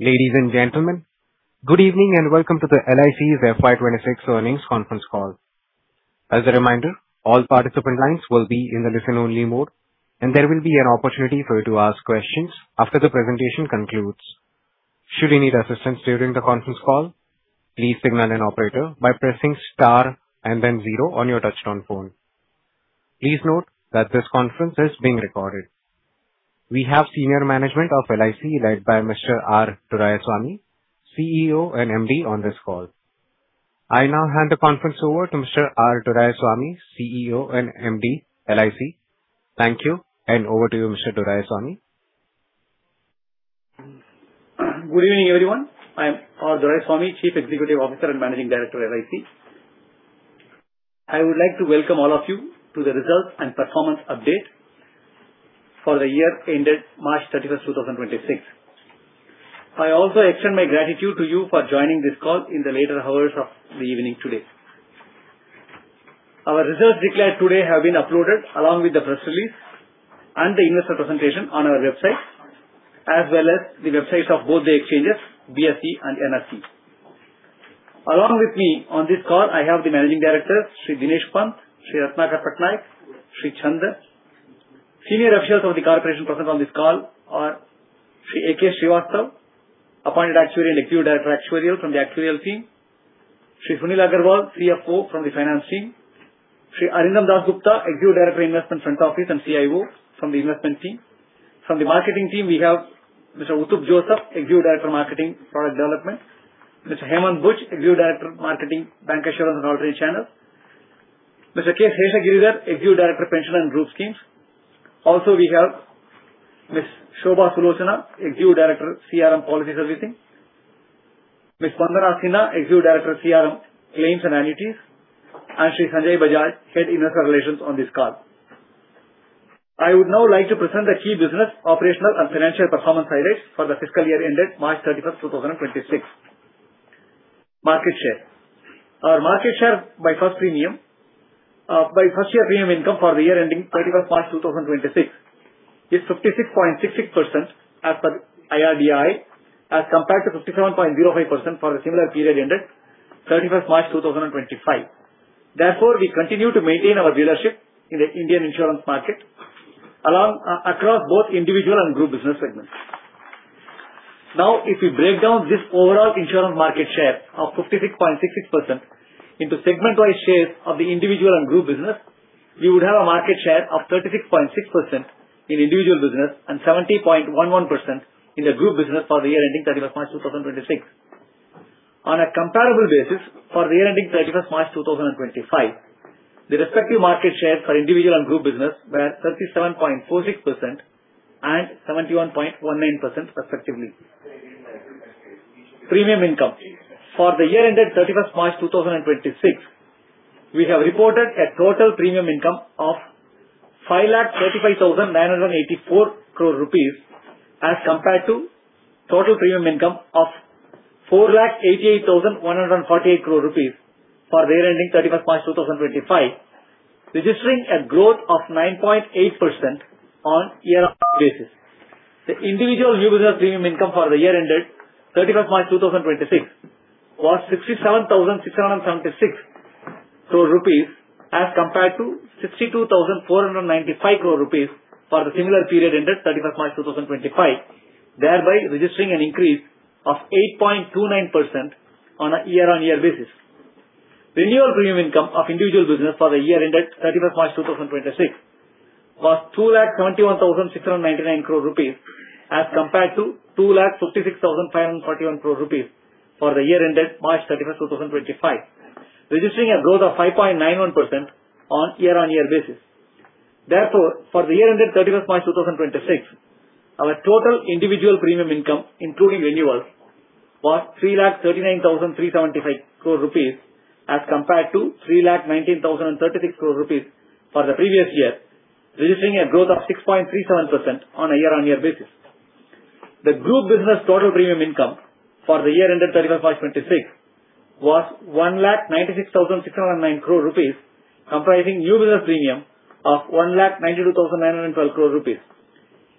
Ladies and gentlemen, good evening and welcome to the LIC FY 2026 earnings conference call. As a reminder, all participant lines will be in the listen only mode, and there will be an opportunity for you to ask questions after the presentation concludes. Should you need assistance during the conference call, please signal an operator by pressing star and then zero on your touchtone phone. Please note that this conference is being recorded. We have senior management of LIC, led by Mr. R. Doraiswamy, CEO and MD, on this call. I now hand the conference over to Mr. R. Doraiswamy, CEO and MD, LIC. Thank you, over to you, Mr. R. Doraiswamy. Good evening, everyone. I'm R. Doraiswamy, Chief Executive Officer and Managing Director, LIC. I would like to welcome all of you to the results and performance update for the year ended March 31st, 2026. I also extend my gratitude to you for joining this call in the later hours of the evening today. Our results declared today have been uploaded along with the press release and the investor presentation on our website, as well as the websites of both the exchanges, BSE and NSE. Along with me on this call, I have the managing directors, Shri Dinesh Pant, Shri Ratnakar Patnaik, Shri R. Chander. Senior officials of the corporation present on this call are Shri A.K. Srivastava, Appointed Actuary and Executive Director, Actuarial from the Actuarial team, Shri Sunil Agrawal, CFO from the Finance team, Shri Arindam Dasgupta, Executive Director, Investment Front Office and CIO from the Investment team. From the Marketing team, we have Mr. Uthup Joseph, Executive Director, Marketing/Product Development, Mr. Hemant Buch, Executive Director, Marketing- Bancassurance & Alternate Channels, Mr. K. Seshagiridhar, Executive Director, Pension and Group Schemes. Also, we have Ms. Shobha Sulochana, Executive Director, CRM/Policy Servicing, Ms. Vandana Sinha, Executive Director, CRM Claims and Annuities, and Shri Sanjay Bajaj, Head of Investor Relations on this call. I would now like to present the key business, operational, and financial performance highlights for the fiscal year ended March 31st, 2026. Market share. Our market share by first year premium income for the year ending 31st March 2026 is 56.66% as per IRDAI, as compared to 57.05% for the similar period ended 31st March 2025. Therefore, we continue to maintain our leadership in the Indian insurance market across both individual and group business segments. If we break down this overall insurance market share of 56.66% into segment-wise shares of the individual and group business, we would have a market share of 36.6% in individual business and 70.11% in the group business for the year ending 31st March 2026. On a comparable basis, for the year ending 31st March 2025, the respective market share for individual and group business were 37.46% and 71.19% respectively. Premium income. For the year ended 31st March 2026, we have reported a total premium income of 5,35,984 crore rupees as compared to total premium income of 4,88,148 crore rupees for the year ending 31st March 2025, registering a growth of 9.8% on year-on-year basis. The individual new business premium income for the year ended 31st March 2026 was 67,676 crore rupees as compared to 62,495 crore rupees for the similar period ended 31st March 2025, thereby registering an increase of 8.29% on a year-on-year basis. Renewal premium income of individual business for the year ended 31st March 2026 was 2,71,699 crore rupees as compared to 2,56,541 crore rupees for the year ended March 31st, 2025, registering a growth of 5.91% on a year-on-year basis. Therefore, for the year ended 31st March 2026, our total individual premium income, including renewals, was 3,39,375 crore rupees as compared to 3,19,036 crore rupees for the previous year, registering a growth of 6.37% on a year-on-year basis. The group business total premium income for the year ended 31st March 2026 was 1,96,609 crore rupees, comprising new business premium of 1,92,912 crore rupees.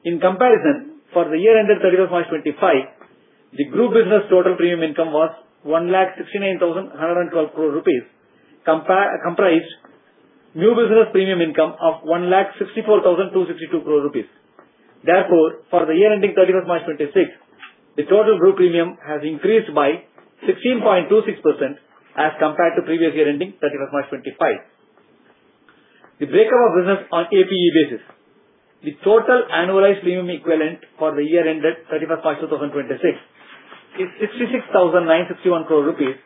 In comparison, for the year ended 31st March 2025, the group business total premium income was 1,69,112 crore rupees, comprised new business premium income of 1,64,262 crore rupees. For the year ending 31st March 2026, the total group premium has increased by 16.26% as compared to previous year ending 31st March 2025. The breakup of business on APE basis. The total annualized premium equivalent for the year ended 31st March 2026 is 66,961 crore rupees,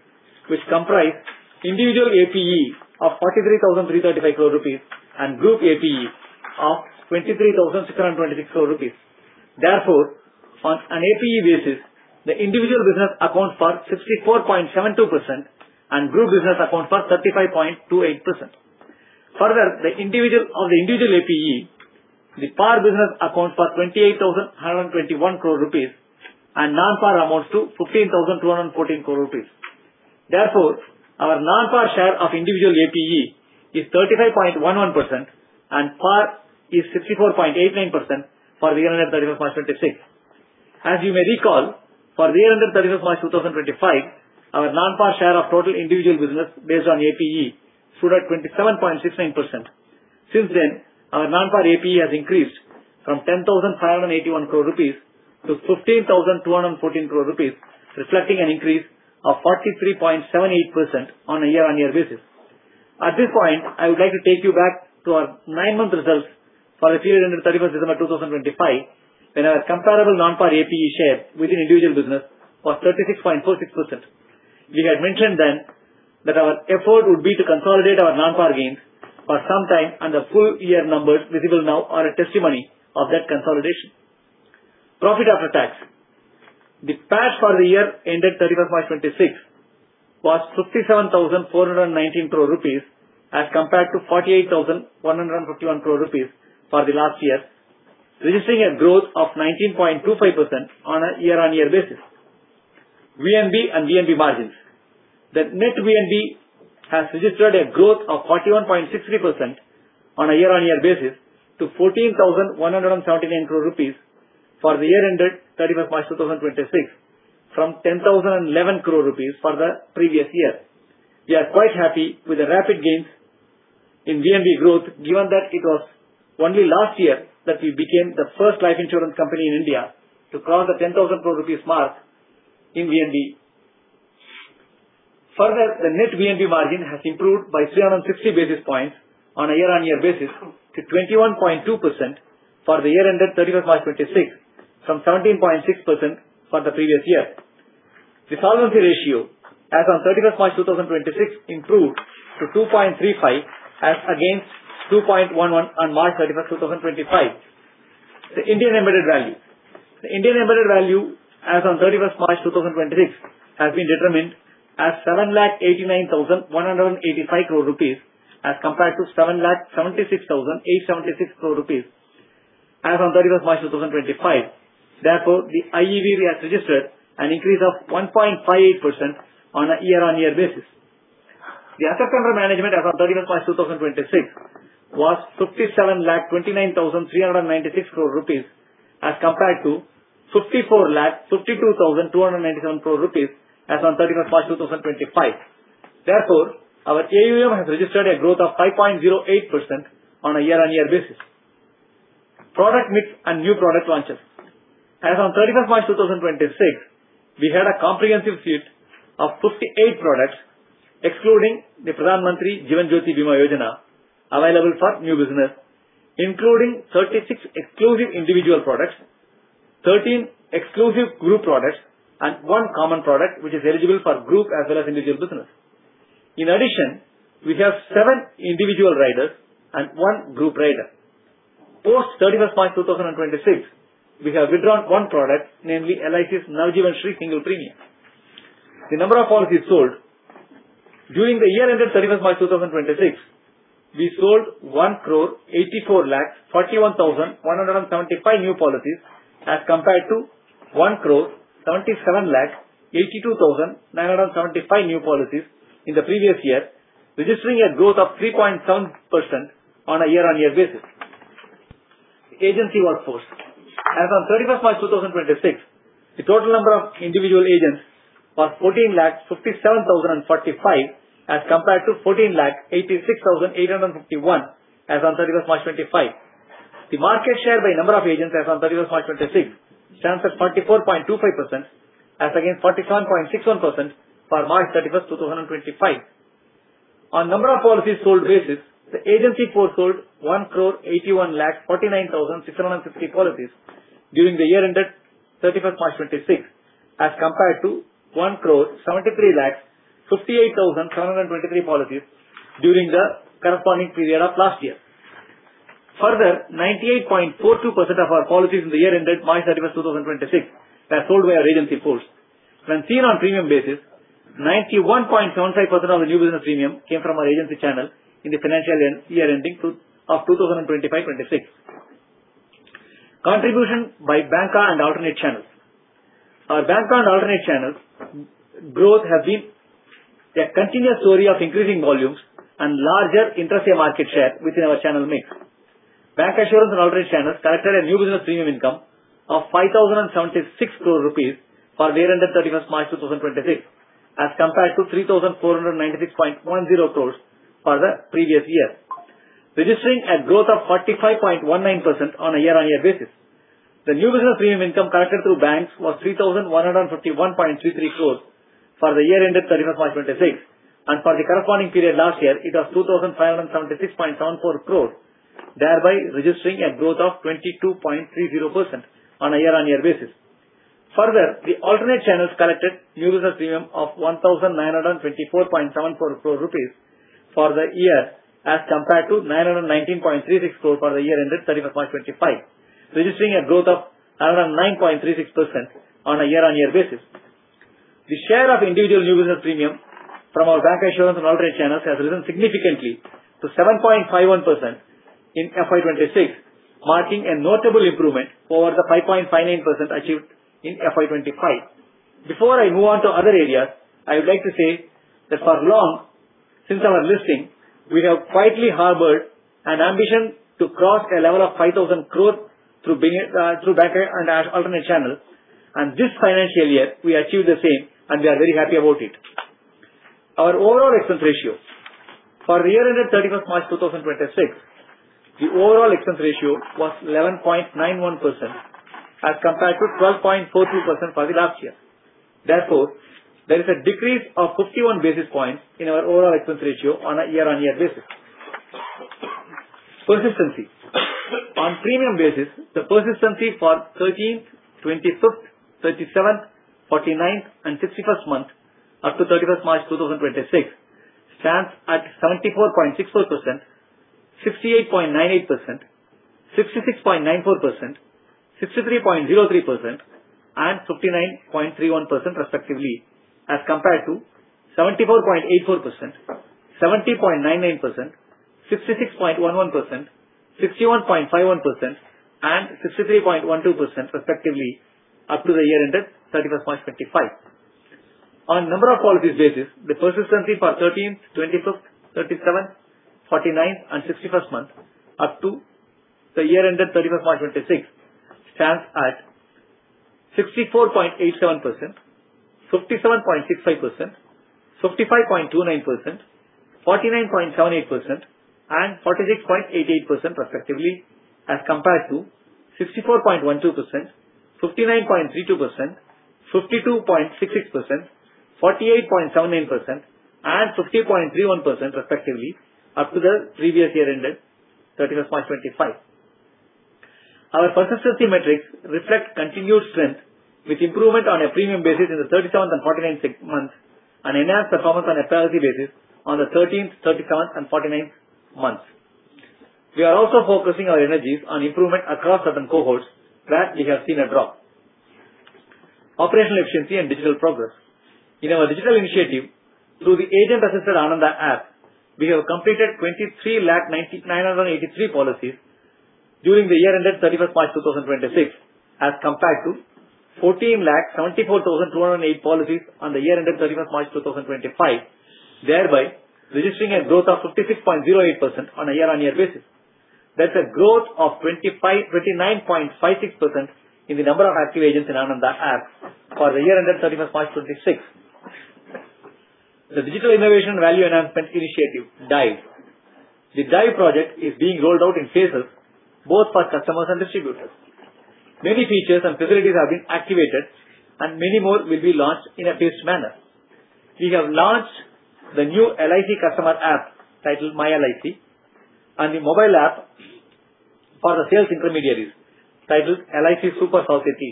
which comprise individual APE of 43,335 crore rupees and group APE of 23,626 crore rupees. On an APE basis, the individual business accounts for 64.72%, and group business accounts for 35.28%. Further, of the individual APE, the par business accounts for 28,121 crore rupees and non-par amounts to 15,214 crore rupees. Our non-par share of individual APE is 35.11%, and par is 64.89% for the year ended 31st March 2026. As you may recall, for the year ended 31st March 2025, our non-par share of total individual business based on APE stood at 27.69%. Since then, our non-par APE has increased from 10,581 crore rupees to 15,214 crore rupees, reflecting an increase of 43.78% on a year-on-year basis. At this point, I would like to take you back to our 9-month results for the year ended 31st December 2025, when our comparable non-par APE share within individual business was 36.46%. We had mentioned then that our effort would be to consolidate our non-par gains for some time, and the full-year numbers visible now are a testimony of that consolidation. Profit after tax. The PAT for the year ended 31st March 2026 was 57,419 crore rupees as compared to 48,151 crore rupees for the last year, registering a growth of 19.25% on a year-on-year basis. VNB and VNB margins. The net VNB has registered a growth of 41.63% on a year-on-year basis to 14,179 crore rupees for the year ended 31st March 2026, from 10,011 crore rupees for the previous year. We are quite happy with the rapid gains in VNB growth, given that it was only last year that we became the first life insurance company in India to cross the 10,000 crore rupees mark in VNB. Further, the net VNB margin has improved by 360 basis points on a year-on-year basis to 21.2% for the year ended 31st March 2026, from 17.6% for the previous year. The solvency ratio as on 31st March 2026 improved to 2.35 as against 2.11 on March 31st, 2025. The Indian Embedded Value as on 31st March 2026 has been determined as 7,89,185 crore rupees as compared to 7,76,876 crore rupees as on 31st March 2025. The IEV has registered an increase of 1.58% on a year-on-year basis. The asset under management as on 31st March 2026 was 57,29,396 crore rupees as compared to 54,52,297 crore rupees as on 31st March 2025. Our AUM has registered a growth of 5.08% on a year-on-year basis. Product mix and new product launches. As on 31st March 2026, we had a comprehensive suite of 58 products, excluding the Pradhan Mantri Jeevan Jyoti Bima Yojana available for new business, including 36 exclusive individual products, 13 exclusive group products, and one common product, which is eligible for group as well as individual business. In addition, we have seven individual riders and one group rider. Post 31st March 2026, we have withdrawn one product, namely LIC's Nav Jeevan Shree single premium. The number of policies sold. During the year ended 31st March 2026, we sold 18,441,175 new policies as compared to 17,782,975 new policies in the previous year, registering a growth of 3.7% on a year-on-year basis. Agency workforce. As on 31st March 2026, the total number of individual agents was 1,457,045 as compared to 1,486,851 as on 31st March 2025. The market share by number of agents as on 31st March 2026 stands at 44.25% as against 47.61% for March 31st, 2025. On number of policies sold basis, the agency force sold 18,149,650 policies during the year ended 31st March 2026 as compared to 17,358,723 policies during the corresponding period of last year. Further, 98.42% of our policies in the year ended March 31st, 2026 were sold by our agency force. When seen on premium basis, 91.75% of the new business premium came from our agency channel in the financial year ending of 2025/26. Contribution by banca and alternate channels. Our banca and alternate channels growth has been a continuous story of increasing volumes and larger intra-day market share within our channel mix. Bancassurance and alternate channels collected a new business premium income of 5,076 crore rupees for the year ended 31st March 2026, as compared to 3,496.0 crore for the previous year, registering a growth of 45.19% on a year-on-year basis. The new business premium income collected through banks was 3,151.33 crore for the year ended 31st March 2026, and for the corresponding period last year, it was 2,576.74 crore, thereby registering a growth of 22.30% on a year-on-year basis. Further, the alternate channels collected new business premium of 1,924.74 crore rupees for the year as compared to 919.36 crore for the year ended 31st March 2025, registering a growth of 109.36% on a year-on-year basis. The share of individual new business premium from our bancassurance and alternate channels has risen significantly to 7.51% in FY 2026, marking a notable improvement over the 5.59% achieved in FY 2025. Before I move on to other areas, I would like to say that for long, since our listing, we have quietly harbored an ambition to cross a level of 5,000 crore through bancassurance and alternate channels, and this financial year we achieved the same, and we are very happy about it. Our overall expense ratio. For the year ended 31st March 2026, the overall expense ratio was 11.91% as compared to 12.43% for the last year. There is a decrease of 51 basis points in our overall expense ratio on a year-over-year basis. Persistency. On premium basis, the persistency for 13th, 25th, 37th, 49th, and 61st month up to 31st March 2026 stands at 74.64%, 68.98%, 66.94%, 63.03%, and 59.31% respectively, as compared to 74.84%, 70.99%, 66.11%, 61.51%, and 63.12% respectively, up to the year ended 31st March 2025. On number of policies basis, the persistency for 13th, 25th, 37th, 49th, and 61st month up to the year ended 31st March 2026 stands at 64.87%, 57.65%, 55.29%, 49.78%, and 46.88% respectively, as compared to 64.12%, 59.32%, 52.66%, 48.79%, and 50.31% respectively up to the previous year ended 31st March 2025. Our persistency metrics reflect continued strength with improvement on a premium basis in the 37th and 49th months, and enhanced performance on a policy basis on the 13th, 37th, and 49th months. We are also focusing our energies on improvement across certain cohorts where we have seen a drop. Operational efficiency and digital progress. In our digital initiative, through the agent-assisted ANANDA app, we have completed 2,390,983 policies during the year ended 31st March 2026, as compared to 1,474,208 policies on the year ended 31st March 2025, thereby registering a growth of 56.08% on a year-on-year basis. There's a growth of 29.56% in the number of active agents in ANANDA app for the year ended 31st March 2026. The Digital Innovation and Value Enhancement initiative, DIVE. The DIVE project is being rolled out in phases, both for customers and distributors. Many features and facilities have been activated, and many more will be launched in a phased manner. We have launched the new LIC customer app titled MyLIC, and the mobile app for the sales intermediaries titled LIC Super Sales Saathi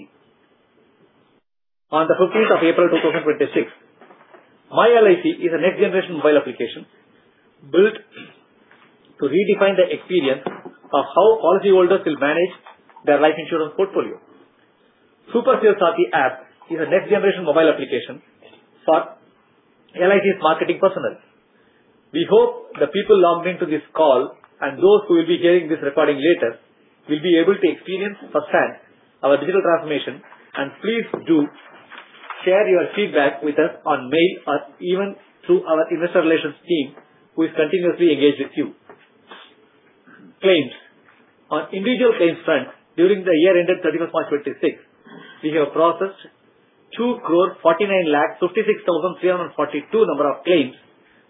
on the 15th of April 2026. MyLIC is a next generation mobile application built to redefine the experience of how policyholders will manage their life insurance portfolio. Super Saathi app is a next generation mobile application for LIC's marketing personnel. We hope the people logged into this call, and those who will be hearing this recording later, will be able to experience firsthand our digital transformation, and please do share your feedback with us on mail or even through our investor relations team who is continuously engaged with you. Claims. On individual claims front, during the year ended 31st March 2026, we have processed 2,49,56,342 number of claims,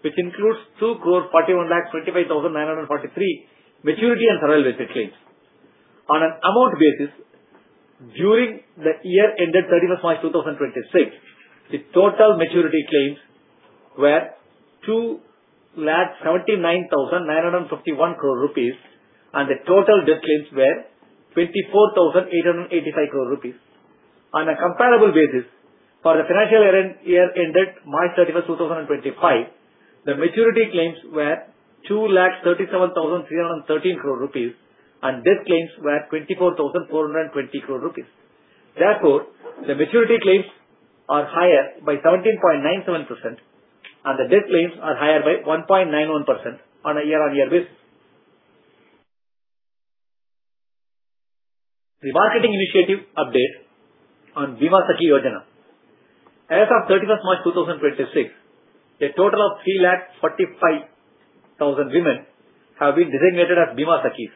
which includes 2,41,25,943 maturity and survival-based claims. On an amount basis, during the year ended 31st March 2026, the total maturity claims were 2,79,951 crore rupees, and the total death claims were 24,885 crore rupees. On a comparable basis, for the financial year ended March 31, 2025, the maturity claims were 2,37,313 crore rupees, and death claims were 24,420 crore rupees. Therefore, the maturity claims are higher by 17.97%, and the death claims are higher by 1.91% on a year-on-year basis. The marketing initiative update on Bima Sakhi Yojana. As of March 31, 2026, a total of 345,000 women have been designated as Bima Sakhis,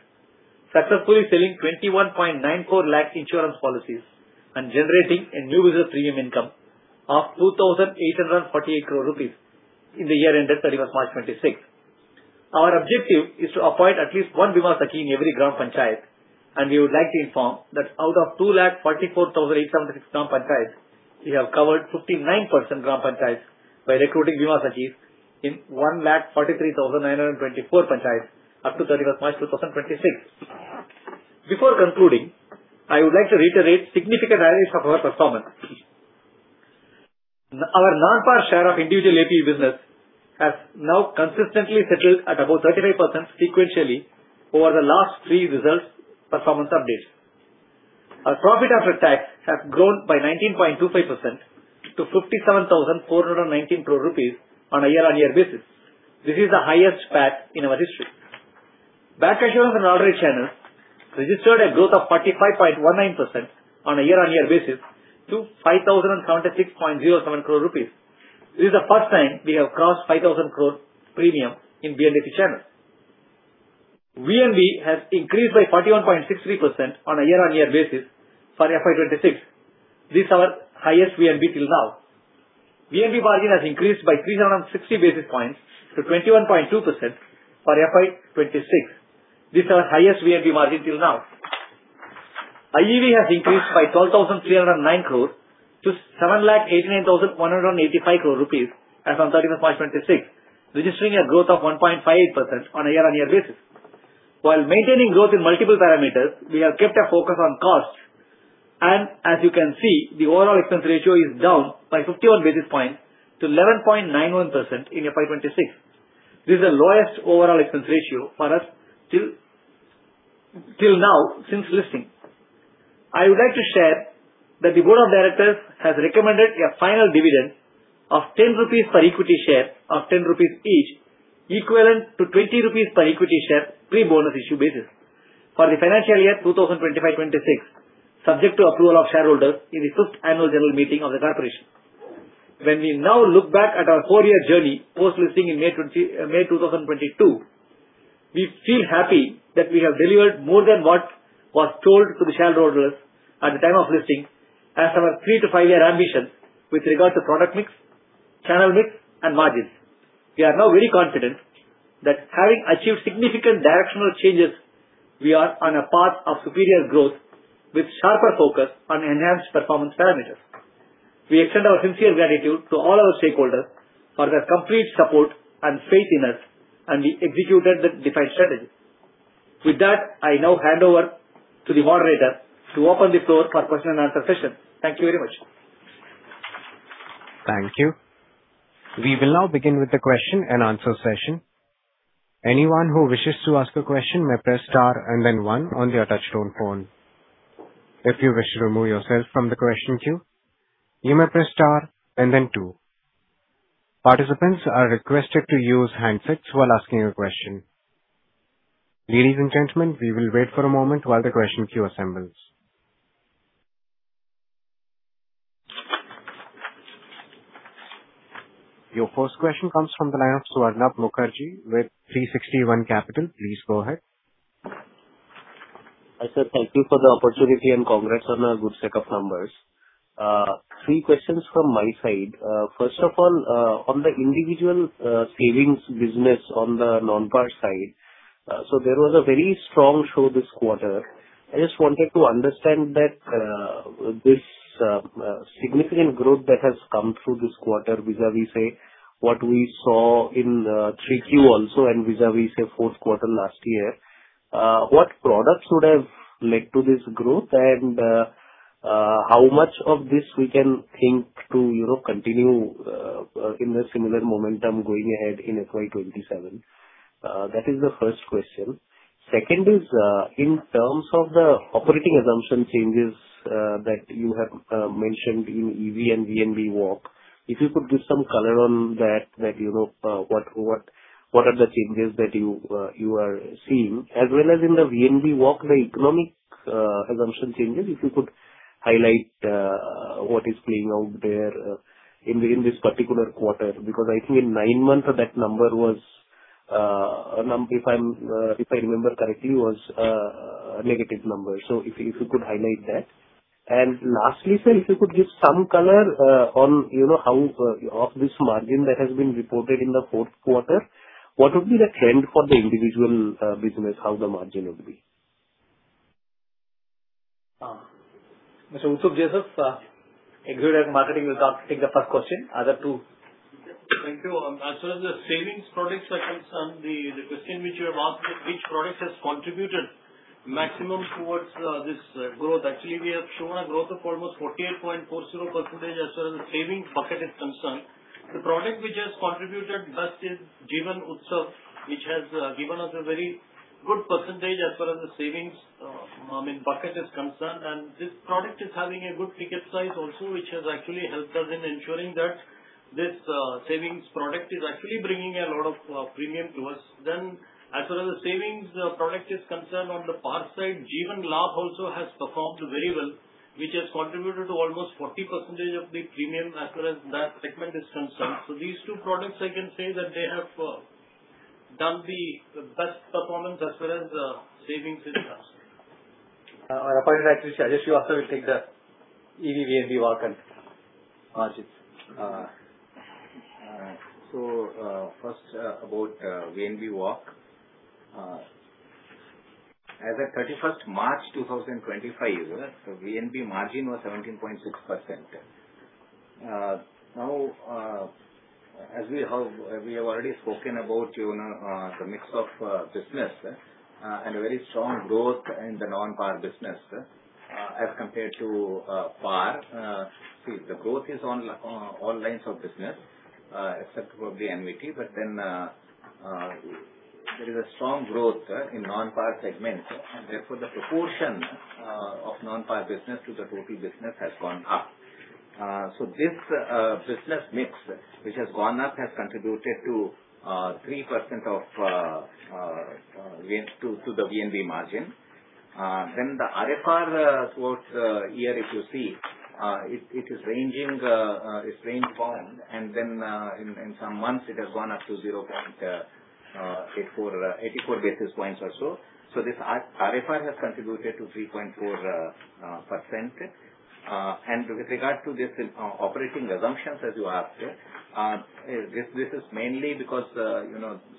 successfully selling 21.94 lakh insurance policies and generating a new business premium income of INR 2,848 crore in the year ended March 31, 2026. Our objective is to appoint at least one Bima Sakhi in every gram panchayat, and we would like to inform that out of 2,44,806 gram panchayats, we have covered 59% gram panchayats by recruiting Bima Sakhis in 1,43,924 Panchayats up to March 31, 2026. Before concluding, I would like to reiterate significant highlights of our performance. Our non-par share of individual APE business has now consistently settled at above 35% sequentially over the last three results performance updates. Our PAT has grown by 19.25% to 57,419 crore rupees on a year-on-year basis. This is the highest PAT in our history. Bancassurance and alternate channels registered a growth of 45.19% on a year-on-year basis to 5,076.07 crore rupees. This is the first time we have crossed 5,000 crore premium in B&A channels. VNB has increased by 41.63% on a year-on-year basis for FY 2026. This is our highest VNB till now. VNB margin has increased by 360 basis points to 21.2% for FY 2026. This is our highest VNB margin till now. IEV has increased by 12,309 crore to 7,089,185 crore rupees as on March 31, 2026, registering a growth of 1.58% on a year-on-year basis. While maintaining growth in multiple parameters, we have kept a focus on cost. As you can see, the overall expense ratio is down by 51 basis points to 11.91% in FY 2026. This is the lowest overall expense ratio for us till now since listing. I would like to share that the board of directors has recommended a final dividend of 10 rupees per equity share of 10 rupees each, equivalent to 20 rupees per equity share pre-bonus issue basis for the financial year 2025-2026, subject to approval of shareholders in the fifth annual general meeting of the corporation. When we now look back at our four-year journey post-listing in May 2022, we feel happy that we have delivered more than what was told to the shareholders at the time of listing as our three to five-year ambition with regards to product mix, channel mix, and margins. We are now very confident that having achieved significant directional changes, we are on a path of superior growth with sharper focus on enhanced performance parameters. We extend our sincere gratitude to all our stakeholders for their complete support and faith in us, and we executed the defined strategy. With that, I now hand over to the moderator to open the floor for question and answer session. Thank you very much. Thank you. We will now begin with the question and answer session. Anyone who wishes to ask a question may press star and then one on the touch-tone phone. If you wish to remove yourself from the question queue, you may press star and then two. Participants are requested to use handsets while asking a question. Ladies and gentlemen, we will wait for a moment while the question queue assembles. Your first question comes from the line of Swarnab Mukherjee with 360 ONE Capital. Please go ahead. Hi, sir. Thank you for the opportunity and congrats on the good set of numbers. Three questions from my side. First of all, on the individual savings business on the non-par side, there was a very strong show this quarter. I just wanted to understand that this significant growth that has come through this quarter vis-à-vis, say, what we saw in 3Q also, and vis-à-vis, say, fourth quarter last year. What products would have led to this growth, and how much of this we can think to continue in a similar momentum going ahead in FY 2027? That is the first question. Second is, in terms of the operating assumption changes that you have mentioned in EV and VNB walk. If you could give some color on that, what are the changes that you are seeing, as well as in the VNB walk, the economic assumption changes, if you could highlight what is playing out there in this particular quarter? I think in nine months, that number, if I remember correctly, was a negative number. If you could highlight that? Lastly, sir, if you could give some color on how of this margin that has been reported in the fourth quarter, what would be the trend for the individual business, how the margin would be? Mr. Uthup Joseph, Executive Marketing will take the first question. Other two. Thank you. As far as the savings products are concerned, the question which you have asked, which product has contributed maximum towards this growth. Actually, we have shown a growth of almost 48.40% as far as the savings bucket is concerned. The product which has contributed best is Jeevan Utsav, which has given us a very good percentage as far as the savings bucket is concerned, and this product is having a good ticket size also, which has actually helped us in ensuring that this savings product is actually bringing a lot of premium to us. As far as the savings product is concerned on the par side, Jeevan Lakshya also has performed very well, which has contributed to almost 40% of the premium as far as that segment is concerned. These two products, I can say that they have done the best performance as far as savings is concerned. Our appointed actuary, Ajay Kumar Srivastava, will take the EV VNB walk and margins. First, about VNB walk. As at 31st March 2025, the VNB margin was 17.6%. As we have already spoken about the mix of business and a very strong growth in the non-par business as compared to par. See, the growth is on all lines of business except probably VNB. There is a strong growth in non-par segments, and therefore the proportion of non-par business to the total business has gone up. This business mix, which has gone up, has contributed to 3% to the VNB margin. The RFR quotes here, if you see, it is ranging. It's remained calm and then in some months it has gone up to 0.84 basis points or so. This RFR has contributed to 3.4%. With regard to this operating assumptions, as you asked, this is mainly because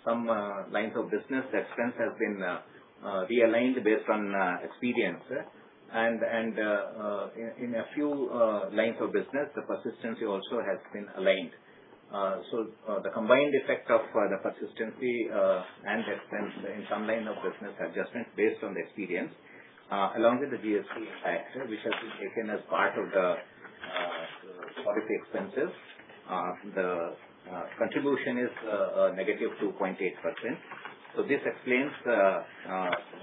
some lines of business, the expense has been realigned based on experience and in a few lines of business, the persistency also has been aligned. The combined effect of the persistency and the expense in some line of business adjustments based on the experience, along with the GST impact, which has been taken as part of the policy expenses, the contribution is a negative 2.8%. This explains the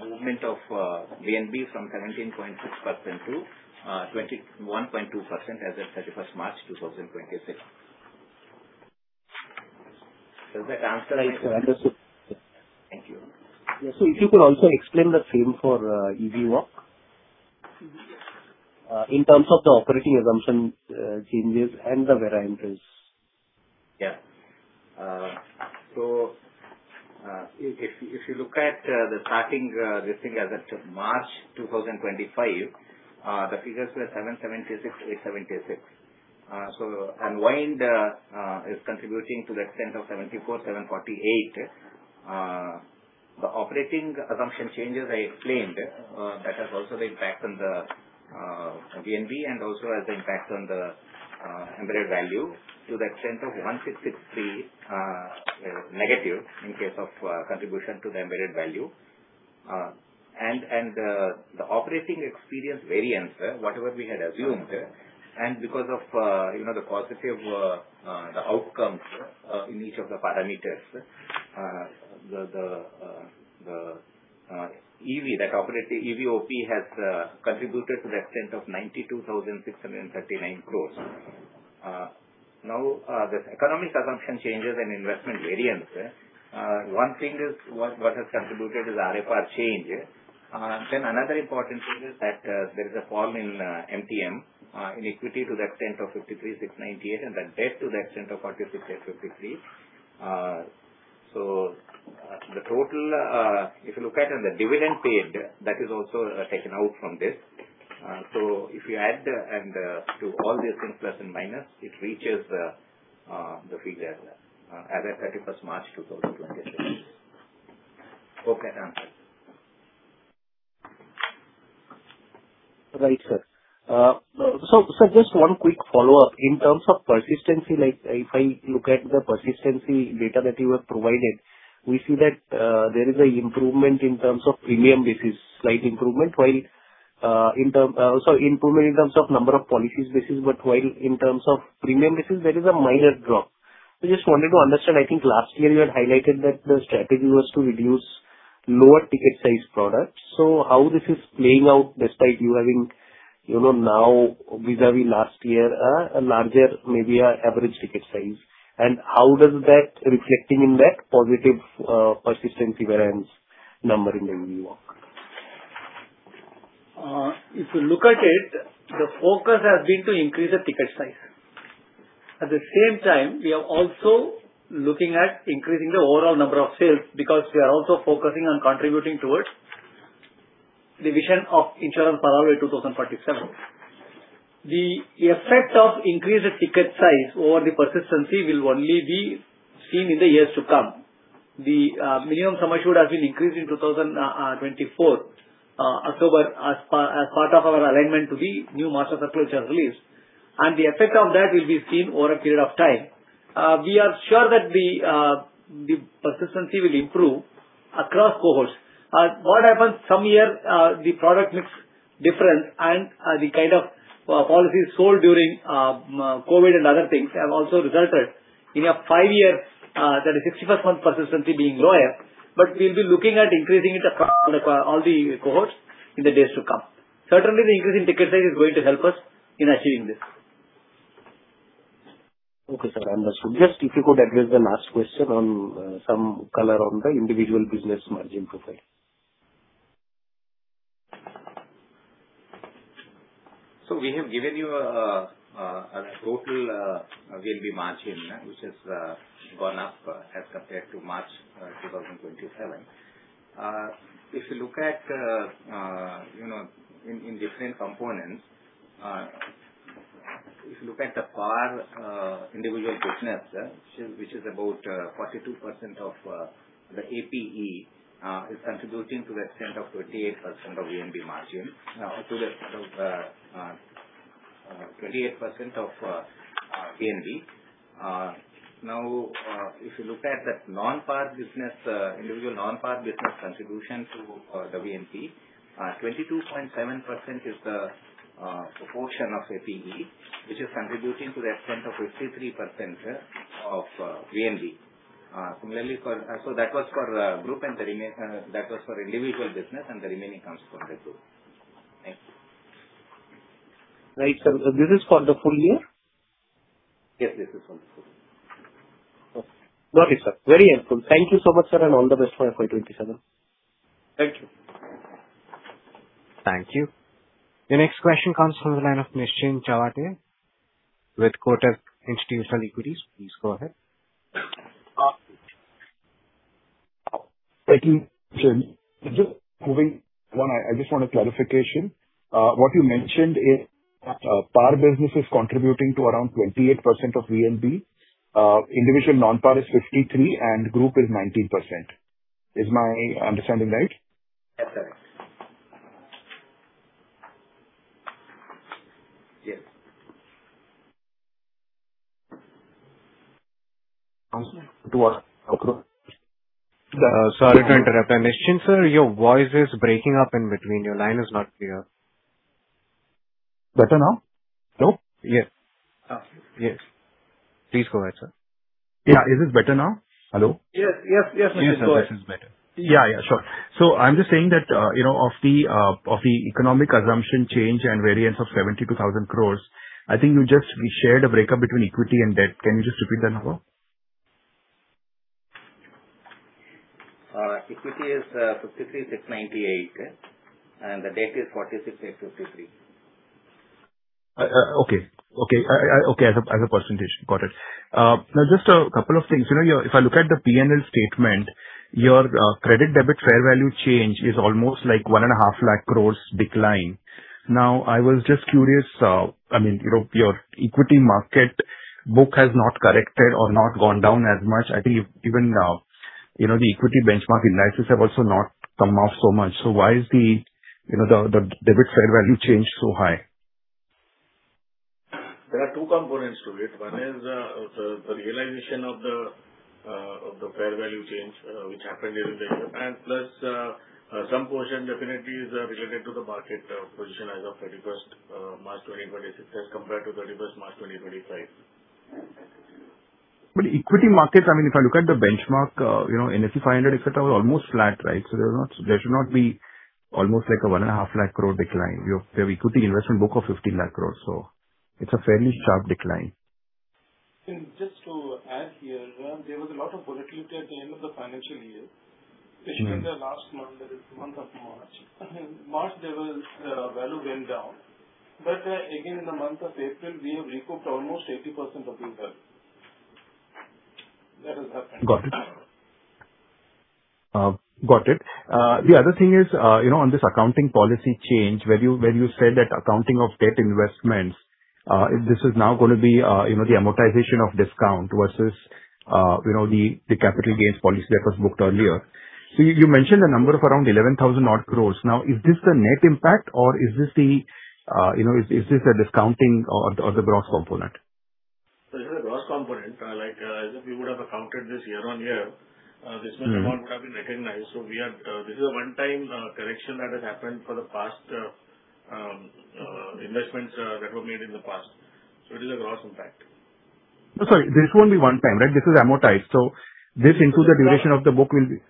movement of VNB from 17.6% to 21.2% as of 31st March 2026. Does that answer? Understood. Thank you. Yes. If you could also explain the theme for EV walk in terms of the operating assumption changes and the variances. If you look at the starting rating as of March 2025, the figures were 7,76,876 crore. Unwind is contributing to the extent of 74,748. The operating assumption changes I explained, that has also the impact on the VNB and also has impact on the embedded value to the extent of 1,663 negative in case of contribution to the embedded value. The operating experience variance, whatever we had assumed, because of the positive outcomes in each of the parameters the EV that operates the EVOP has contributed to the extent of 92,639 crore. This economic assumption changes and investment variance. One thing is what has contributed is RFR change. Another important thing is that there is a fall in MTM in equity to the extent of 53,698 and debt to the extent of 46.53 crore. If you look at the dividend paid, that is also taken out from this. If you add and to all this in plus and minus, it reaches the figure as of 31st March 2026. Hope I answered. Right, sir. Just one quick follow-up. In terms of persistency, if I look at the persistency data that you have provided, we see that there is a improvement in terms of premium basis, slight improvement. Sorry, improvement in terms of number of policies basis, but while in terms of premium basis, there is a minor drop. I just wanted to understand, I think last year you had highlighted that the strategy was to reduce lower ticket size products. How this is playing out despite you having now vis-à-vis last year a larger maybe average ticket size, and how does that reflecting in that positive persistency variance number in the EV walk? If you look at it, the focus has been to increase the ticket size. At the same time, we are also looking at increasing the overall number of sales because we are also focusing on contributing towards the vision of Insurance for All by 2047. The effect of increased ticket size over the persistency will only be seen in the years to come. The minimum sum assured has been increased in 2024 October as part of our alignment to the new Master Circular released, and the effect of that will be seen over a period of time. We are sure that the persistency will improve across cohorts. What happens some year, the product looks different and the kind of policies sold during COVID and other things have also resulted in a five-year, that is 61st month persistency being lower. We'll be looking at increasing it across all the cohorts in the days to come. Certainly, the increase in ticket size is going to help us in achieving this. Okay, sir. Understood. Just if you could address the last question on some color on the individual business margin profile. We have given you a total VNB margin which has gone up as compared to March 2027. If you look at in different components, if you look at the par individual business, which is about 42% of the APE, is contributing to the extent of 28% of VNB margin. If you look at the individual non-par business contribution to the VNB, 22.7% is the proportion of APE which is contributing to the extent of 53% of VNB. That was for individual business and the remaining comes from the group. Thank you. Right. This is for the full year? Yes. This is for the full year. Okay. Got it, sir. Very helpful. Thank you so much, sir. All the best for FY 2027. Thank you. Thank you. The next question comes from the line of Nischint Chawathe with Kotak Institutional Equities. Please go ahead. Thank you. Just moving on, I just want a clarification. What you mentioned is par business is contributing to around 28% of VNB. Individual non-par is 53% and group is 19%. Is my understanding right? That's correct. Yes. To us. Hello? Sorry to interrupt. Nischint, sir, your voice is breaking up in between. Your line is not clear. Better now? No? Yes. Yes. Please go ahead, sir. Yeah. Is this better now? Hello? Yes. Yes. This is better. Yeah. Sure. I'm just saying that of the economic assumption change and variance of 72,000 crore, I think we shared a breakup between equity and debt. Can you just repeat that number? Equity is 53,698 and the debt is 46,853. Okay. As a percentage. Got it. Just a couple of things. If I look at the P&L statement, your credit debit fair value change is almost 1.5 lakh crore decline. I was just curious, your equity market book has not corrected or not gone down as much. I think even now, the equity benchmark indices have also not come off so much. Why is the debit fair value change so high? There are two components to it. One is the realization of the fair value change which happened during the year. Plus, some portion definitely is related to the market position as of 31st March 2026 as compared to 31st March 2025. Equity markets, if I look at the benchmark, NSE 500, et cetera, almost flat. There should not be almost a 1.5 lakh crore decline. You have equity investment book of 15 lakh crore. It's a fairly sharp decline. Just to add here, there was a lot of volatility at the end of the financial year, especially in the last month, that is the month of March. March, the value went down. Again, in the month of April, we have recouped almost 80% of the value. That has happened. Got it. The other thing is on this accounting policy change, where you said that accounting of debt investments this is now going to be the amortization of discount versus the capital gains policy that was booked earlier. You mentioned a number of around 11,000 odd crore. Is this the net impact or is this a discounting or the gross component? This is a gross component. As if we would have accounted this year-on-year, this would have not been recognized. This is a one-time correction that has happened for the investments that were made in the past. It is a gross impact. No, sorry, this is only one time, right? This is amortized. This into the duration of the book will be-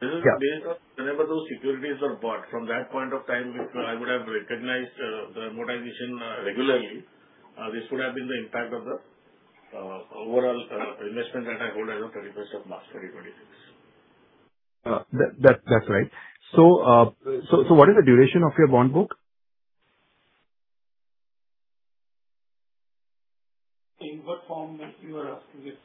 Whenever those securities were bought, from that point of time, I would have recognized the amortization regularly. This would have been the impact of the overall investment that I hold as of 31st of March 2026. That's right. What is the duration of your bond book? In what form you are asking this?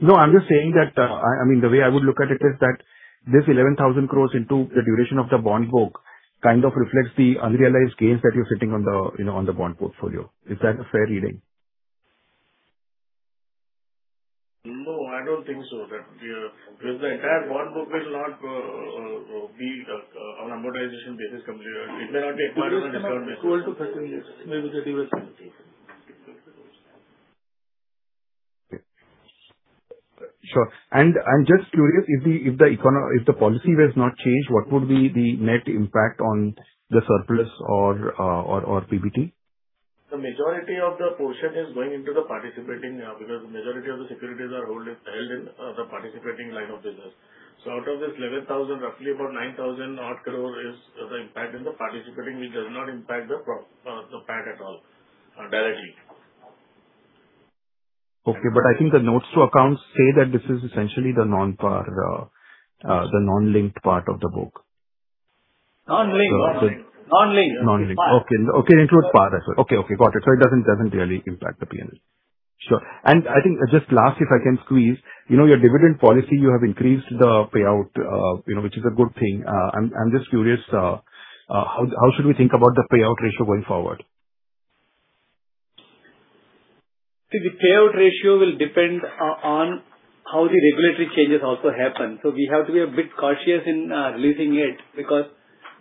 No, I'm just saying that the way I would look at it is that this 11,000 crore into the duration of the bond book kind of reflects the unrealized gains that you're sitting on the bond portfolio. Is that a fair reading? No, I don't think so. Because the entire bond book will not be on amortization basis completed. 12-15 years. Maybe the duration. Sure. I'm just curious, if the policy was not changed, what would be the net impact on the surplus or PBT? The majority of the portion is going into the participating because the majority of the securities are held in the participating line of business. Out of this 11,000, roughly about 9,000 odd crore is the impact in the participating, which does not impact the PAT at all directly. Okay. I think the notes to accounts say that this is essentially the non-linked part of the book. Non-linked. Non-linked. Non-linked. Okay. Includes par as well. Okay, got it. It doesn't really impact the P&L. Sure. I think just last if I can squeeze, your dividend policy, you have increased the payout which is a good thing. I'm just curious, how should we think about the payout ratio going forward? The payout ratio will depend on how the regulatory changes also happen. We have to be a bit cautious in releasing it because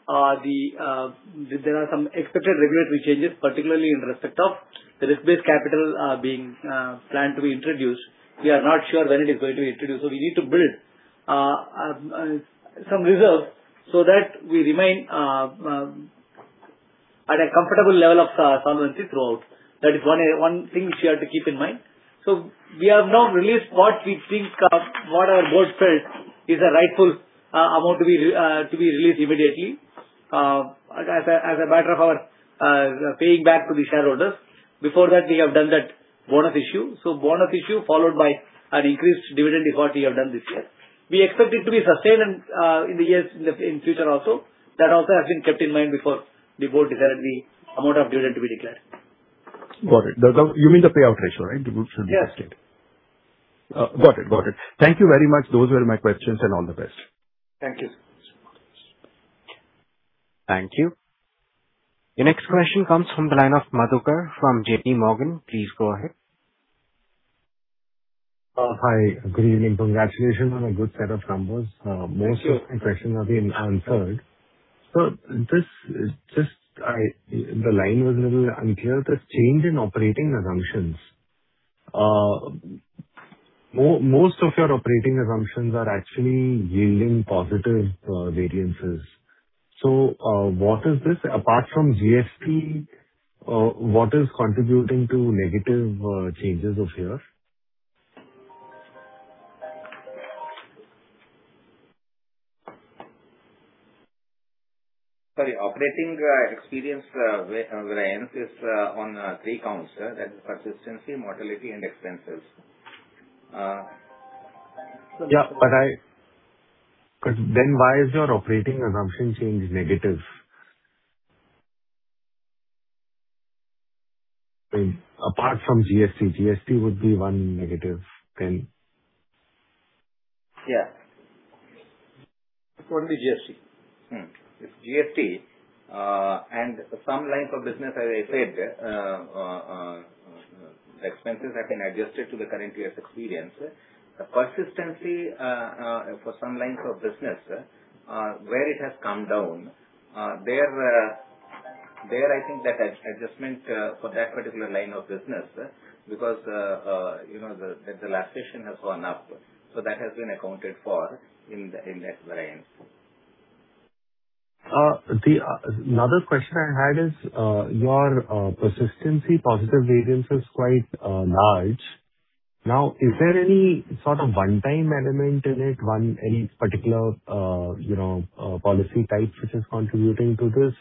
there are some expected regulatory changes, particularly in respect of the risk-based capital being planned to be introduced. We are not sure when it is going to be introduced. We need to build some reserves so that we remain at a comfortable level of solvency throughout. That is one thing which you have to keep in mind. We have now released what we think of what our board felt is the rightful amount to be released immediately as a matter of our paying back to the shareholders. Before that, we have done that bonus issue. Bonus issue followed by an increased dividend is what we have done this year. We expect it to be sustained in future also. That also has been kept in mind before the board decided the amount of dividend to be declared. Got it. You mean the payout ratio, right? The books will be adjusted. Yes. Got it. Thank you very much. Those were my questions, and all the best. Thank you. Thank you. The next question comes from the line of Madhukar from JPMorgan. Please go ahead. Hi, good evening. Congratulations on a good set of numbers. Thank you. Most of my questions have been answered. Sir, the line was a little unclear. The change in operating assumptions. Most of your operating assumptions are actually yielding positive variances. What is this, apart from GST, what is contributing to negative changes of yours? Sorry. Operating experience variance is on three counts, sir. That is persistency, mortality, and expenses. Yeah. Why is your operating assumption change negative? Apart from GST. GST would be one negative then. Yeah. It's only GST. It's GST. Some lines of business, as I said, expenses have been adjusted to the current year's experience. Persistency for some lines of business where it has come down, there I think that adjustment for that particular line of business because the lapsation has gone up. That has been accounted for in that variance. Another question I had is, your persistency positive variance is quite large. Is there any sort of one-time element in it, any particular policy type which is contributing to this?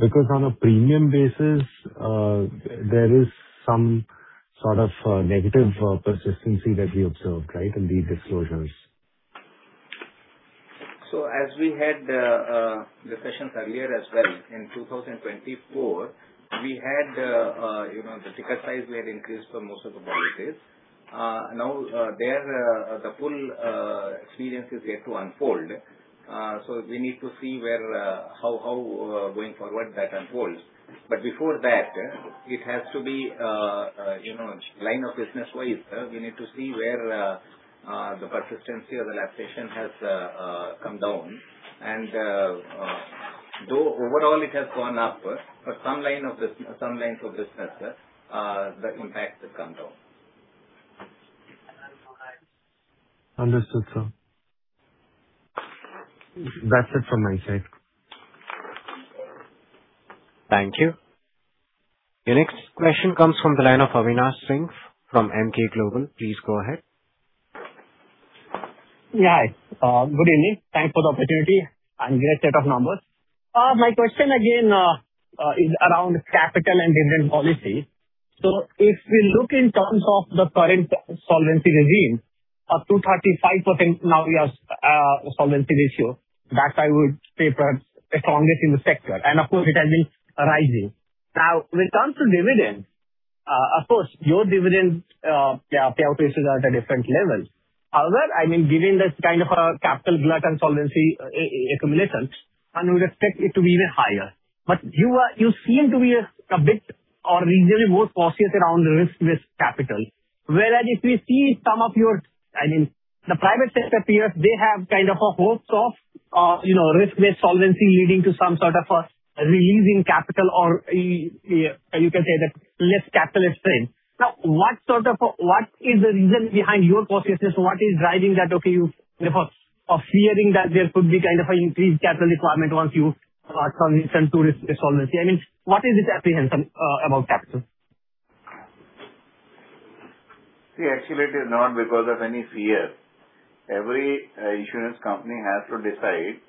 Because on a premium basis, there is some sort of negative persistency that we observed, right, in these disclosures? As we had discussions earlier as well, in 2024, the ticket size were increased for most of the policies. There the full experience is yet to unfold. We need to see how going forward that unfolds. Before that, it has to be line of business wise. We need to see where the persistency or the lapsation has come down and though overall it has gone up, for some lines of business, the impact has come down. Understood, sir. That's it from my side. Thank you. Your next question comes from the line of Avinash Singh from Emkay Global. Please go ahead. Hi. Good evening. Thanks for the opportunity, great set of numbers. My question again is around capital and dividend policy. If we look in terms of the current solvency regime of 235% now your solvency ratio, that I would say perhaps the strongest in the sector, of course it has been rising. When it comes to dividend, of course, your dividend payout ratios are at a different level. However, given this kind of a capital glut and solvency accumulations, we would expect it to be even higher. You seem to be a bit or reasonably more cautious around risk with capital. Whereas if we see some of your private sector peers, they have kind of a host of risk-based solvency leading to some sort of a releasing capital or you can say that less capital is spent. Now what is the reason behind your cautiousness? What is driving that, okay, you therefore are fearing that there could be kind of an increased capital requirement once you transition to risk solvency? What is this apprehension about capital? Actually it is not because of any fear. Every insurance company has to decide.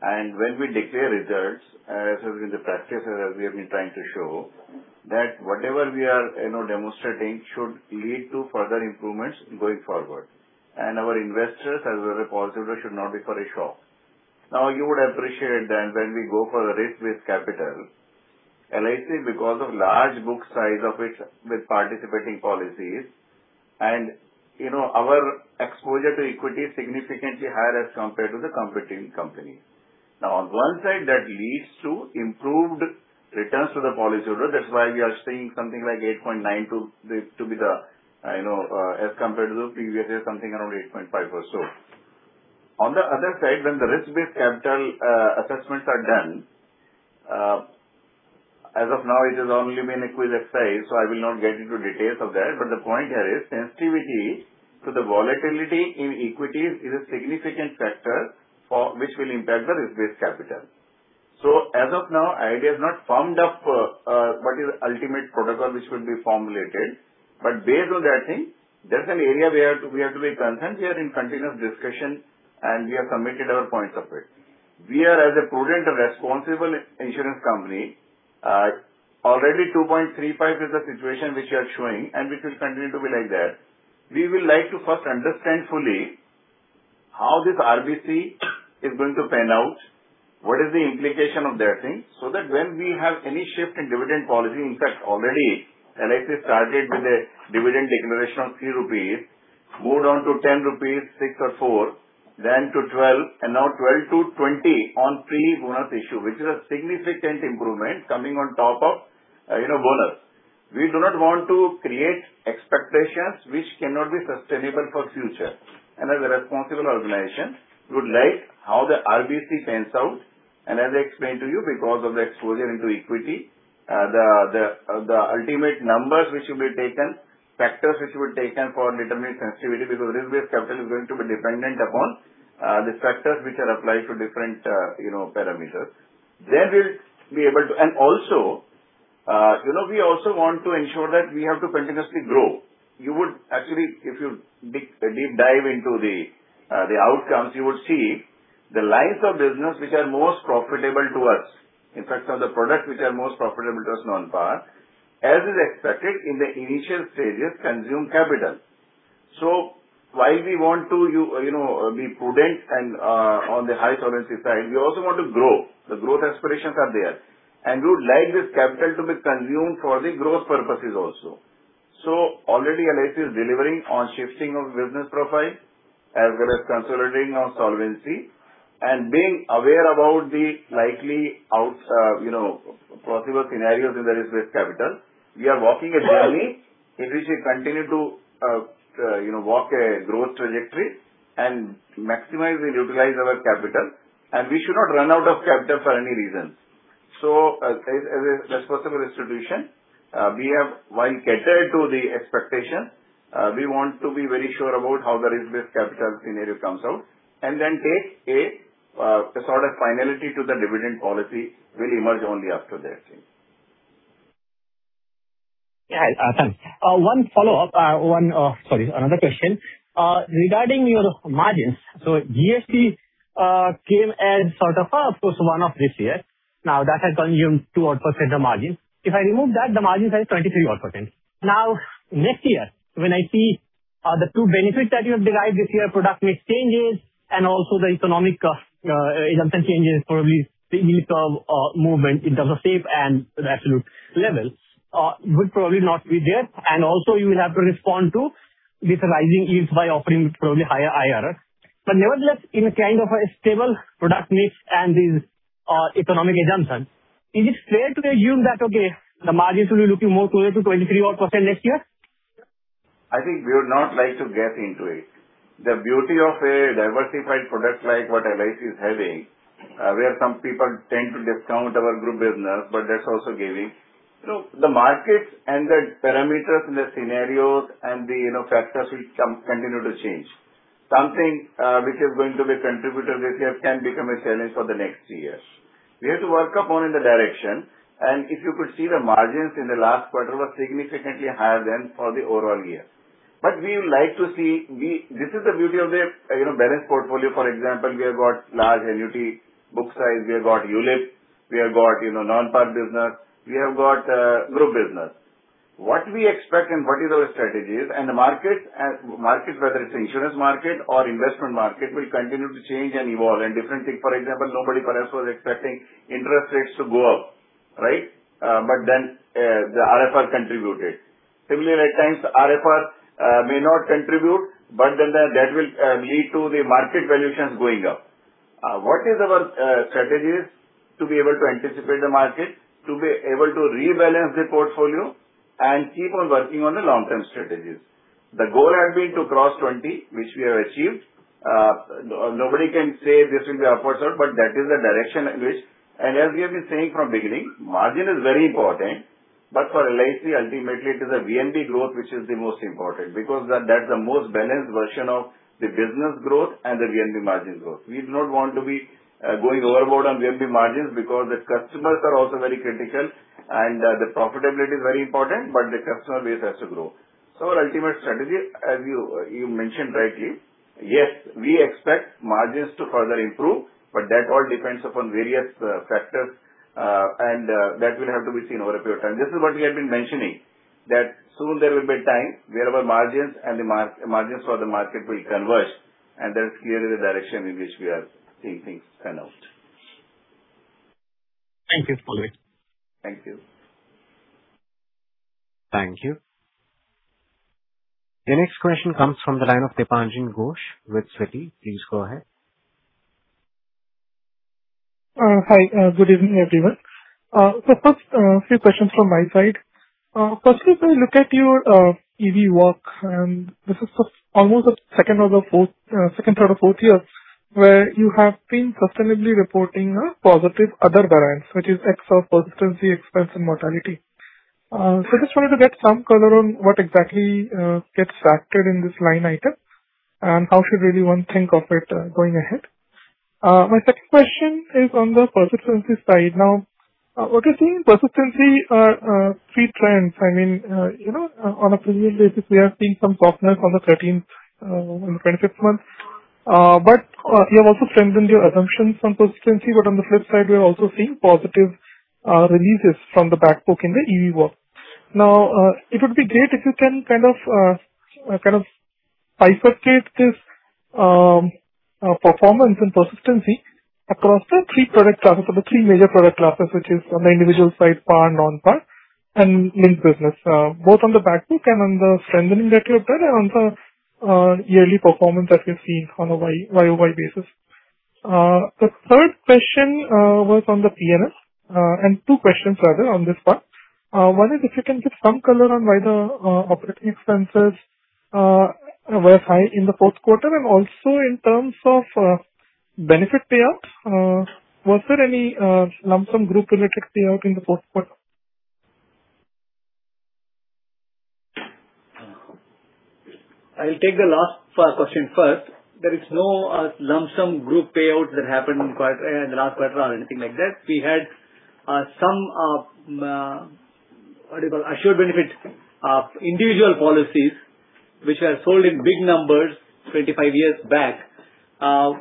When we declare results, as has been the practice, as we have been trying to show, that whatever we are demonstrating should lead to further improvements going forward. Our investors as well as policyholders should not be very sure. You would appreciate then when we go for a risk-based capital, LIC because of large book size of it with participating policies and our exposure to equity is significantly higher as compared to the competing company. On one side that leads to improved returns to the policyholder. That's why we are seeing something like 8.9 as compared to the previous year, something around 8.5 or so. On the other side, when the risk-based capital assessments are done- As of now, it has only been a QIS exercise, I will not get into details of that. The point here is sensitivity to the volatility in equities is a significant factor which will impact the risk-based capital. As of now, idea is not formed up what is ultimate protocol which will be formulated. Based on that thing, that's an area we have to be concerned. We are in continuous discussion, and we have submitted our points of it. We are, as a prudent and responsible insurance company, already 2.35 is the situation which you are showing and which will continue to be like that. We will like to first understand fully how this RBC is going to pan out, what is the implication of that thing, that when we have any shift in dividend policy, in fact, already LIC started with a dividend declaration of 3 rupees, moved on to 10 rupees, 6 or 4, then to 12, now 12 to 20 on pre-bonus issue, which is a significant improvement coming on top of bonus. We do not want to create expectations which cannot be sustainable for future, as a responsible organization, we would like how the RBC pans out. As I explained to you, because of the exposure into equity, the ultimate numbers which will be taken, factors which will be taken for determining sensitivity, because risk-based capital is going to be dependent upon the factors which are applied to different parameters. We also want to ensure that we have to continuously grow. Actually, if you deep dive into the outcomes, you would see the lines of business which are most profitable to us. In fact, some of the products which are most profitable to us non-par, as is expected in the initial stages, consume capital. While we want to be prudent on the high solvency side, we also want to grow. The growth aspirations are there, and we would like this capital to be consumed for the growth purposes also. Already LIC is delivering on shifting of business profile as well as consolidating on solvency and being aware about the likely possible scenarios in the risk-based capital. We are walking a journey in which we continue to walk a growth trajectory and maximize and utilize our capital, and we should not run out of capital for any reasons. As a responsible institution we have, while catered to the expectation, we want to be very sure about how the risk-based capital scenario comes out and then take a sort of finality to the dividend policy will emerge only after that thing. Yeah. Thanks. One follow-up. Sorry, another question. Regarding your margins. GST came as sort of a post 1 of this year. That has consumed 2% of margin. If I remove that, the margin side is 23%. Next year, when I see the two benefits that you have derived this year, product mix changes and also the economic assumption changes probably in terms of movement in terms of shape and absolute level, would probably not be there. Also you will have to respond to this rising yields by offering probably higher IRR. Nevertheless, in a kind of a stable product mix and these economic assumptions, is it fair to assume that, okay, the margins will be looking more towards 23% next year? I think we would not like to get into it. The beauty of a diversified product like what LIC is having, where some people tend to discount our group business, but that's also giving. The markets and the parameters in the scenarios and the factors will continue to change. Something which is going to be a contributor this year can become a challenge for the next years. We have to work upon in the direction, and if you could see the margins in the last quarter was significantly higher than for the overall year. This is the beauty of the balanced portfolio. For example, we have got large annuity book size, we have got ULIP, we have got non-par business, we have got group business. What we expect and what is our strategies and the market, whether it's insurance market or investment market, will continue to change and evolve and different thing, for example, nobody perhaps was expecting interest rates to go up, right. The RFR contributed. Similarly, at times, RFR may not contribute, but then that will lead to the market valuations going up. What is our strategies to be able to anticipate the market, to be able to rebalance the portfolio and keep on working on the long-term strategies. The goal has been to cross 20, which we have achieved. Nobody can say this will be our for sure, but that is the direction in which, and as we have been saying from beginning, margin is very important. For LIC, ultimately it is the VNB growth which is the most important because that's the most balanced version of the business growth and the VNB margin growth. We do not want to be going overboard on VNB margins because the customers are also very critical and the profitability is very important, but the customer base has to grow. Our ultimate strategy, as you mentioned rightly, yes, we expect margins to further improve, but that all depends upon various factors, and that will have to be seen over a period of time. This is what we have been mentioning, that soon there will be a time where our margins and the margins for the market will converge, and that's clearly the direction in which we are seeing things pan out. Thank you, Patnaik. Thank you. Thank you. The next question comes from the line of Dipanjan Ghosh with Citi. Please go ahead. Hi. Good evening, everyone. First, few questions from my side. Firstly, if I look at your EV walk, this is almost the second out of fourth year where you have been sustainably reporting a positive other variance, which is X of persistency expense and mortality. I just wanted to get some color on what exactly gets factored in this line item and how should really one think of it going ahead. My second question is on the persistency side. Now, what you're seeing persistency trends. On a premium basis, we are seeing some softness on the 13th and the 25th month. You have also strengthened your assumptions on persistency, but on the flip side, we are also seeing positive releases from the back book in the EV walk. It would be great if you can kind of bifurcate this performance and persistency across the three major product classes, which is on the individual side, par, non-par, and linked business, both on the back book and on the strengthening that you have done and on the yearly performance that we're seeing on a YOY basis. The third question was on the P&L, and two questions rather on this part. One is if you can give some color on why the operating expenses were high in the fourth quarter and also in terms of benefit payouts. Was there any lump sum group related payout in the fourth quarter? I'll take the last question first. There is no lump sum group payout that happened in the last quarter or anything like that. We had some assured benefit individual policies which were sold in big numbers 25 years back,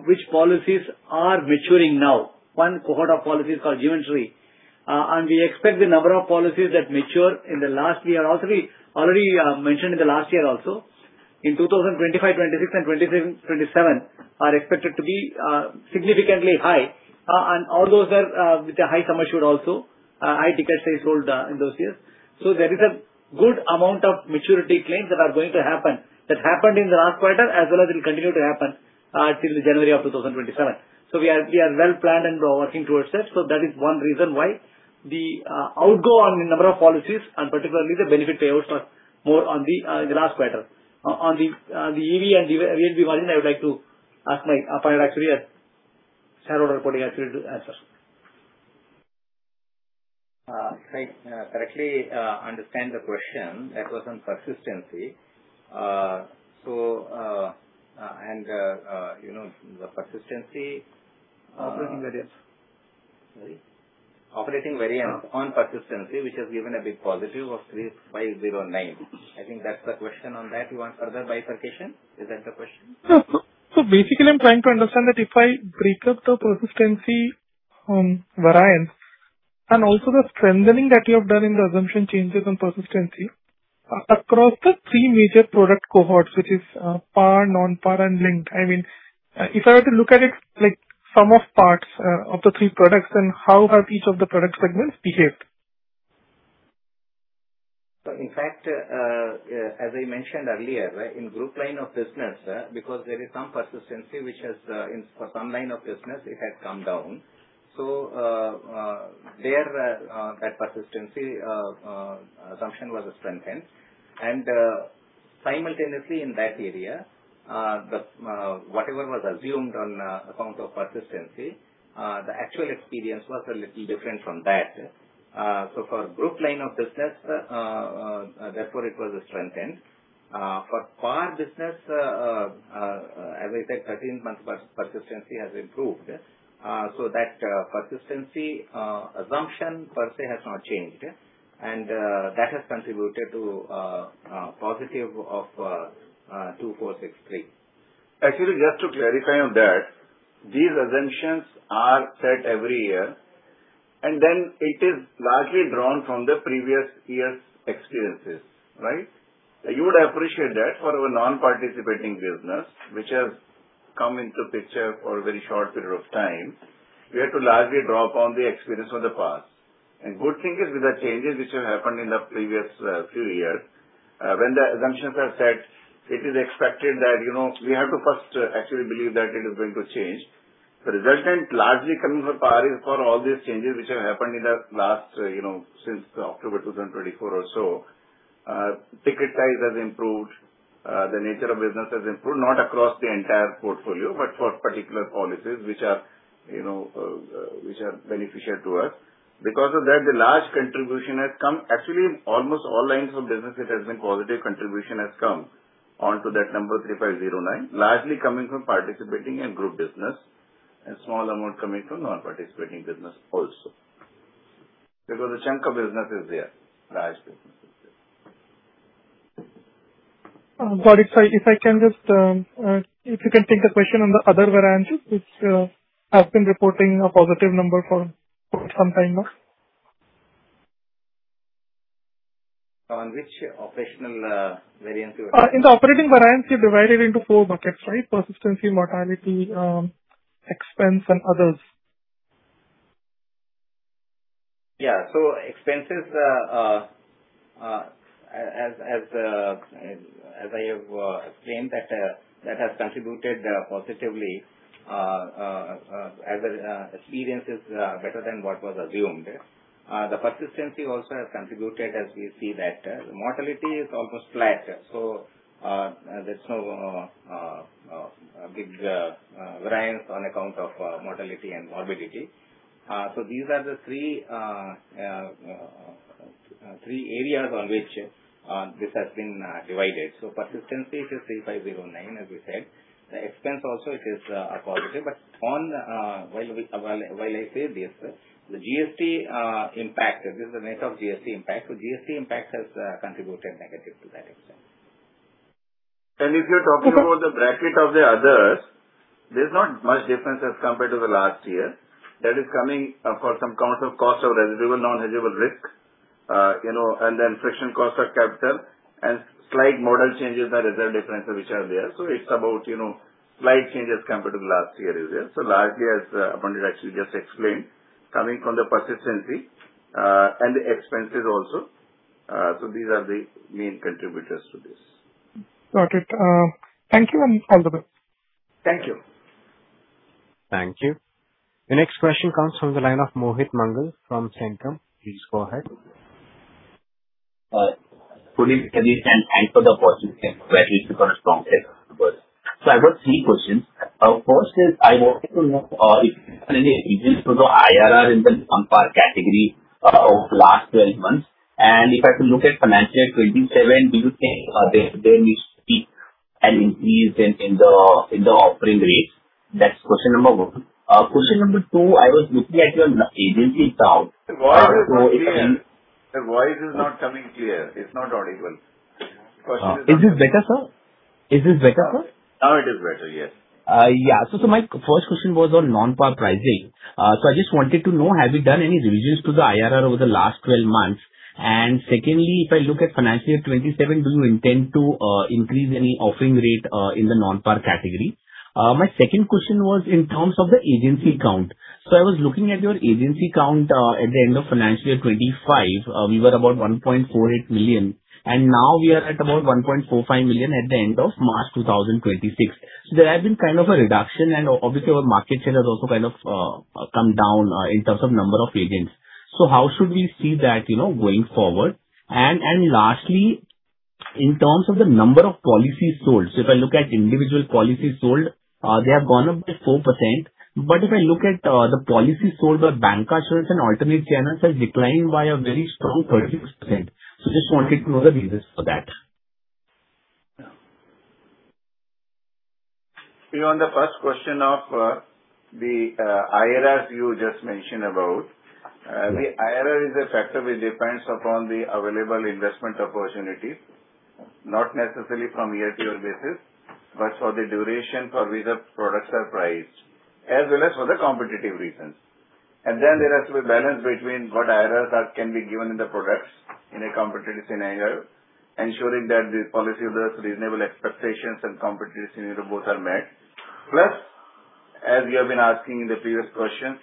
which policies are maturing now. One cohort of policy is called endowment. We expect the number of policies that mature in the last year also, we already mentioned in the last year also. In 2025, 2026 and 2027 are expected to be significantly high. All those are with a high sum assured also. High ticket size sold in those years. There is a good amount of maturity claims that are going to happen, that happened in the last quarter as well as will continue to happen till January of 2027. We are well planned and working towards that. That is one reason why the outgo on the number of policies and particularly the benefit payouts are more on the last quarter. On the EV and VNB margin, I would like to ask my appointed actuary, Shri appointed actuary to answer. If I correctly understand the question that was on persistency. The persistency. Operating variance. Sorry. Operating variance on persistency, which has given a big positive of 3,509. I think that's the question on that. You want further bifurcation? Is that the question? No. Basically, I'm trying to understand that if I break up the persistency variance and also the strengthening that you have done in the assumption changes on persistency across the three major product cohorts, which is par, non-par and linked. If I were to look at it like sum of parts of the three products and how have each of the product segments behaved. In fact, as I mentioned earlier, in group line of business, because there is some persistency which has for some line of business it has come down. There that persistency assumption was strengthened and simultaneously in that area whatever was assumed on account of persistency, the actual experience was a little different from that. For group line of business, therefore it was strengthened. For par business, as I said, 13 months persistency has improved. That persistency assumption per se has not changed and that has contributed to a positive of 2,463. Actually, just to clarify on that, these assumptions are set every year, then it is largely drawn from the previous year's experiences. You would appreciate that for our non-participating business, which has come into picture for a very short period of time, we had to largely draw upon the experience of the past. Good thing is with the changes which have happened in the previous few years, when the assumptions are set, it is expected that we have to first actually believe that it is going to change. The resultant largely coming from par is for all these changes which have happened since October 2024 or so. Ticket size has improved, the nature of business has improved, not across the entire portfolio, but for particular policies which are beneficial to us. Actually, almost all lines of business it has been positive contribution has come onto that number 3,509, largely coming from participating in group business and small amount coming from non-participating business also. A chunk of business is there, large business is there. If you can take the question on the other variances which have been reporting a positive number for some time now. On which operational variance you are- In the operating variance, you divided into four buckets, right? Persistency, mortality, expense and others. Yeah. Expenses I have claimed that has contributed positively, as the experience is better than what was assumed. The persistency also has contributed as we see that the mortality is almost flat. There's no big variance on account of mortality and morbidity. These are the three areas on which this has been divided. Persistency is 3,509, as we said. The expense also it is a positive, while I say this, the GST impact, this is the net of GST impact. GST impact has contributed negative to that extent. If you're talking about the bracket of the others, there's not much difference as compared to the last year. That is coming for some account of cost of hedgeable, non-hedgeable risk, and then frictional cost of capital and slight model changes that result differences which are there. It's about slight changes compared to last year is there. Largely as appointed actuary just explained, coming from the persistency, and the expenses also. These are the main contributors to this. Got it. Thank you, and all the best. Thank you. Thank you. The next question comes from the line of Mohit Mangal from Centrum. Please go ahead. Patnaik, can you stand for the question? Right. You've got a strong case first. I've got three questions. First is, I wanted to know if there are any revisions to the IRR in the non-par category of last 12 months. If I could look at financial year 2027, do you think they need to see an increase in the offering rates? That's question number one. Question number two, I was looking at your agency count. Your voice is not coming clear. It is not audible. Is this better, sir? Now it is better. Yes. My first question was on non-par pricing. I just wanted to know, have you done any revisions to the IRR over the last 12 months? Secondly, if I look at FY 2027, do you intend to increase any offering rate, in the non-par category? My second question was in terms of the agency count. I was looking at your agency count at the end of FY 2025. We were about 1.48 million, and now we are at about 1.45 million at the end of March 2026. There has been kind of a reduction, and obviously our market share has also kind of come down in terms of number of agents. How should we see that going forward? Lastly, in terms of the number of policies sold, so if I look at individual policies sold, they have gone up by 4%. If I look at the policies sold by bancassurance and alternate channels has declined by a very strong 36%. Just wanted to know the reasons for that. On the first question of the IRR you just mentioned about, the IRR is a factor which depends upon the available investment opportunities, not necessarily from year-to-year basis, but for the duration for which the products are priced, as well as for the competitive reasons. There has to be balance between what IRR can be given in the products in a competitive scenario, ensuring that the policyholder's reasonable expectations and competitive scenario both are met. As you have been asking in the previous question,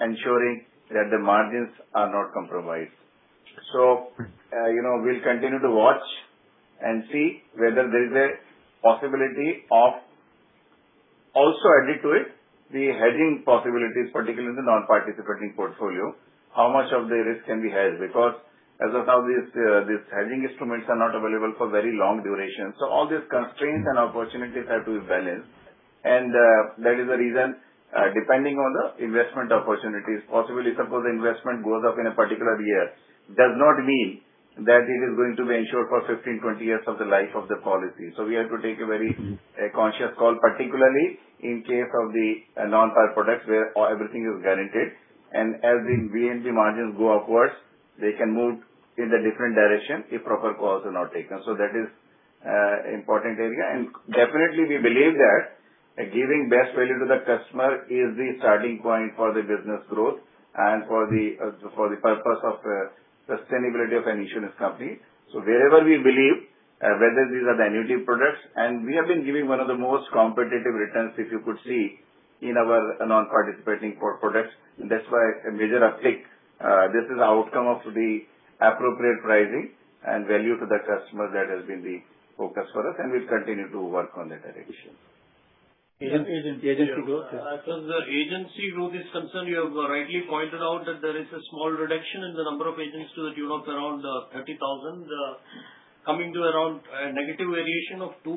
ensuring that the margins are not compromised. We'll continue to watch and see whether there is a possibility of also adding to it the hedging possibilities, particularly in the non-participating portfolio, how much of the risk can be hedged, because as of now, these hedging instruments are not available for very long duration. All these constraints and opportunities have to be balanced. That is the reason, depending on the investment opportunities, possibly suppose the investment goes up in a particular year, does not mean that it is going to be insured for 15, 20 years of the life of the policy. We have to take a very conscious call, particularly in case of the non-par products where everything is guaranteed. As the VNB margins go upwards, they can move in the different direction if proper calls are not taken. That is important area. Definitely we believe that giving best value to the customer is the starting point for the business growth and for the purpose of sustainability of an insurance company. Wherever we believe, whether these are the annuity products, and we have been giving one of the most competitive returns, if you could see in our non-participating core products. That's why a major uptick. This is outcome of the appropriate pricing and value to the customer that has been the focus for us, and we'll continue to work on that direction. The agency growth. As far as the agency growth is concerned, you have rightly pointed out that there is a small reduction in the number of agents to the tune of around 30,000 coming to around a negative variation of 2%.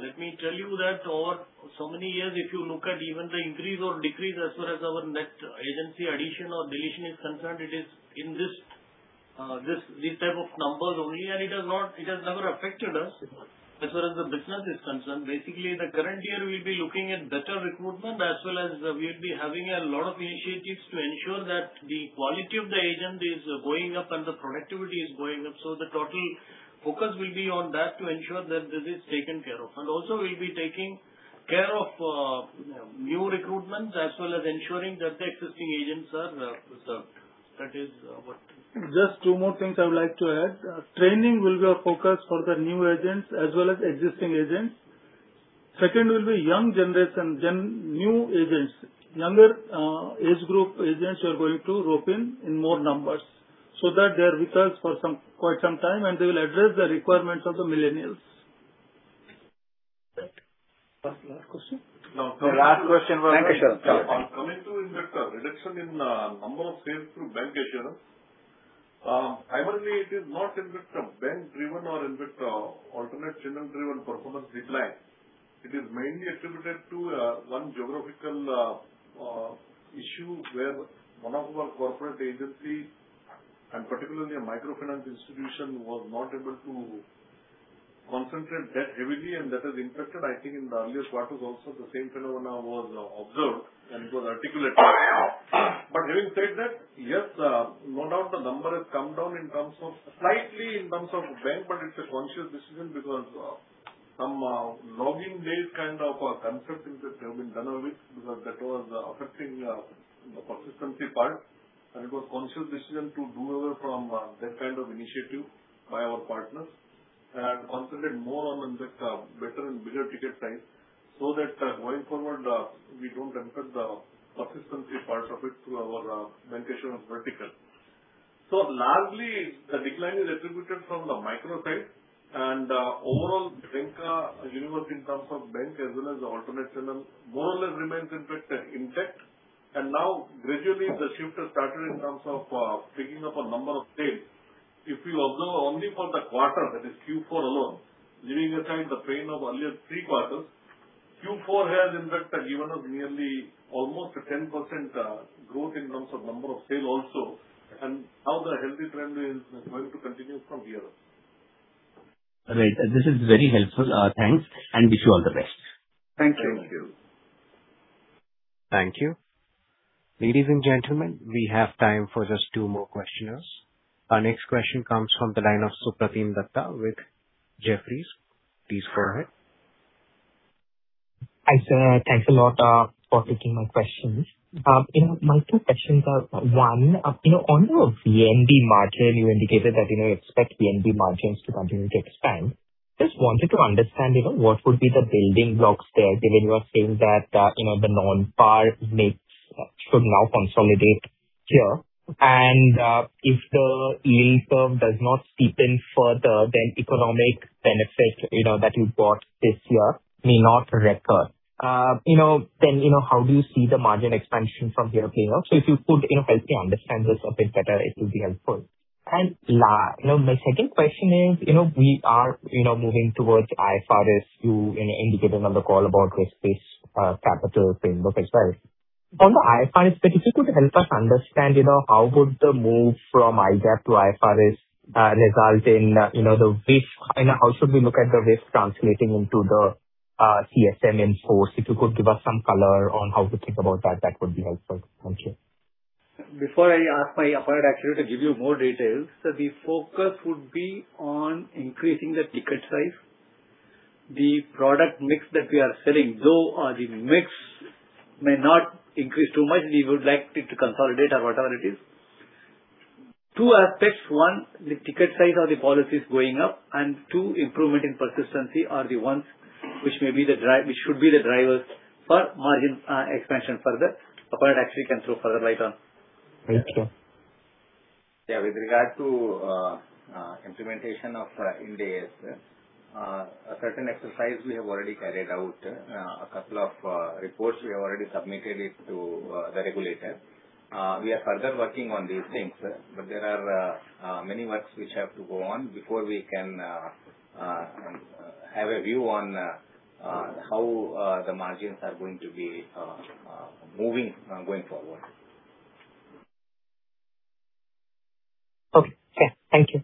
Let me tell you that over so many years, if you look at even the increase or decrease as far as our net agency addition or deletion is concerned, it is in these type of numbers only, and it has never affected us as far as the business is concerned. The current year we'll be looking at better recruitment as well as we'll be having a lot of initiatives to ensure that the quality of the agent is going up and the productivity is going up. The total focus will be on that to ensure that this is taken care of. Also we'll be taking care of new recruitments as well as ensuring that the existing agents are preserved. That is what. Just two more things I would like to add. Training will be our focus for the new agents as well as existing agents. Second will be young generation, new agents, younger age group agents we are going to rope in more numbers so that they are with us for quite some time and they will address the requirements of the millennials. Last question? No. The last question was. Coming to reduction in number of sales through bancassurance. Primarily, it is not in bank-driven or in alternate channels-driven performance decline. It is mainly attributed to one geographical issue where one of our corporate agencies, and particularly a microfinance institution was not able to concentrate that heavily and that has impacted, I think in the earlier quarters also the same phenomena was observed and it was articulated. Having said that, yes, no doubt the number has come down slightly in terms of bank, but it's a conscious decision because some login-based contest has been done away because that was affecting the persistency part and it was conscious decision to do away from that kind of initiative by our partners and concentrate more on better and bigger ticket size so that going forward we don't impact the persistency parts of it through our bancassurance vertical. Largely the decline is attributed from the micro side and overall bank universe in terms of bank as well as the alternate channel more or less remains intact. Now gradually the shift has started in terms of picking up a number of sales. If you observe only for the quarter that is Q4 alone, leaving aside the pain of earlier three quarters, Q4 has in fact given us nearly almost a 10% growth in terms of number of sale also and now the healthy trend is going to continue from here. Right. This is very helpful. Thanks and wish you all the best. Thank you. Thank you. Thank you. Ladies and gentlemen, we have time for just two more questioners. Our next question comes from the line of Supratim Datta with Jefferies. Please go ahead. Hi sir, thanks a lot for taking my questions. My two questions are on your VNB margin you indicated that you expect VNB margins to continue to expand. Just wanted to understand what would be the building blocks there given you are saying that the non-par mix should now consolidate here and if the yield curve does not steepen further then economic benefit that you got this year may not recur. How do you see the margin expansion from here? If you could help me understand this a bit better it would be helpful. My second question is, we are moving towards IFRS. You indicated on the call about risk-based capital framework as well. On the IFRS bit if you could help us understand how would the move from IGAAP to IFRS result in the risk and how should we look at the risk translating into the CSM in force. If you could give us some color on how to think about that would be helpful. Thank you. Before I ask my Appointed Actuary to give you more details, so the focus would be on increasing the ticket size. The product mix that we are selling, though the mix may not increase too much, we would like it to consolidate or whatever it is. Two aspects, one, the ticket size of the policy is going up and 2 improvement in persistency are the ones which should be the drivers for margin expansion further. Appointed actuary can throw further light on. Thanks sir. Yeah, with regard to implementation of Ind AS, a certain exercise we have already carried out. A couple of reports we have already submitted it to the regulator. We are further working on these things. There are many works which have to go on before we can have a view on how the margins are going to be moving going forward. Okay. Thank you.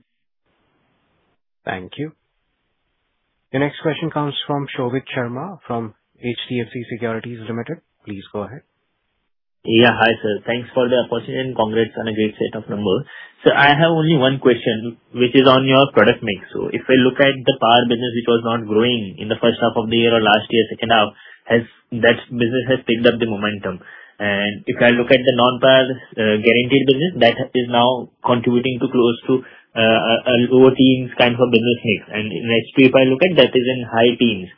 Thank you. The next question comes from Shobhit Sharma from HDFC Securities Limited. Please go ahead. Yeah, hi, sir. Thanks for the opportunity and congrats on a great set of numbers. I have only one question which is on your product mix. If I look at the par business which was not growing in the first half of the year or last year second half, that business has picked up the momentum. If I look at the non-par guaranteed business that is now contributing to close to a lower teens kind of a business mix and in APE if I look at that is in high teens.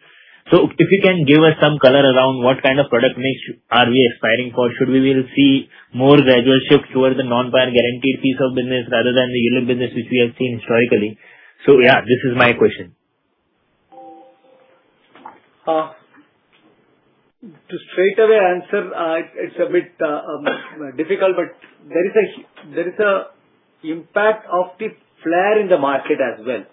If you can give us some color around what kind of product mix are we aspiring for. Should we see more gradual shift towards the non-par guaranteed piece of business rather than the ULIP business which we have seen historically. Yeah, this is my question. To straight away answer, it's a bit difficult, but there is an impact of the flare in the market as well.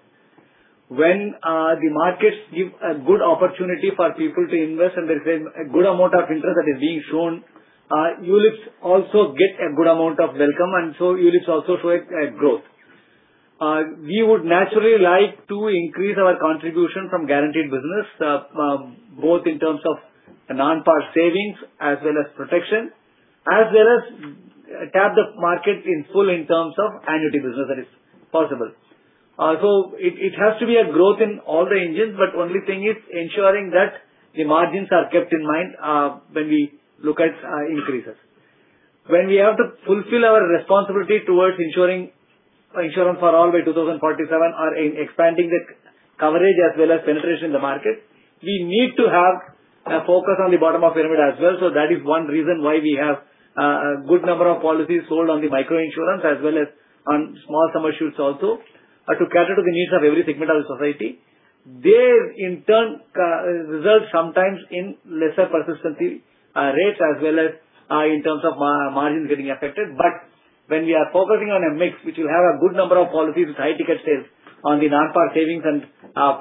When the markets give a good opportunity for people to invest and there is a good amount of interest that is being shown, ULIPs also get a good amount of welcome and so ULIPs also show a growth. We would naturally like to increase our contribution from guaranteed business both in terms of non-par savings as well as protection, as well as tap the market in full in terms of annuity business that is possible. It has to be a growth in all the engines but only thing is ensuring that the margins are kept in mind when we look at increases. When we have to fulfill our responsibility towards ensuring Insurance for All by 2047 or in expanding that coverage as well as penetration in the market, we need to have a focus on the bottom of pyramid as well. That is one reason why we have a good number of policies sold on the micro-insurance as well as on small sum assured also to cater to the needs of every segment of the society. They in turn result sometimes in lesser persistency rates as well as in terms of margins getting affected. When we are focusing on a mix which will have a good number of policies with high ticket sales on the non-par savings and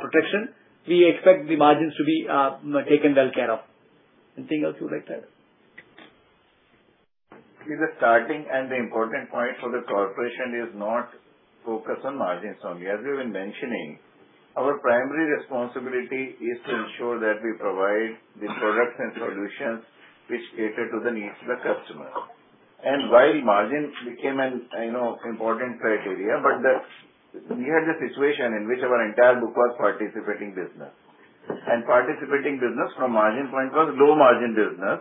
protection, we expect the margins to be taken well care of. Anything else you would like to add? In the starting and the important point for the corporation is not focus on margins only. As we were mentioning, our primary responsibility is to ensure that we provide the products and solutions which cater to the needs of the customer. While margin became an important criteria, but we had a situation in which our entire book was participating business and participating business from margin point was low margin business.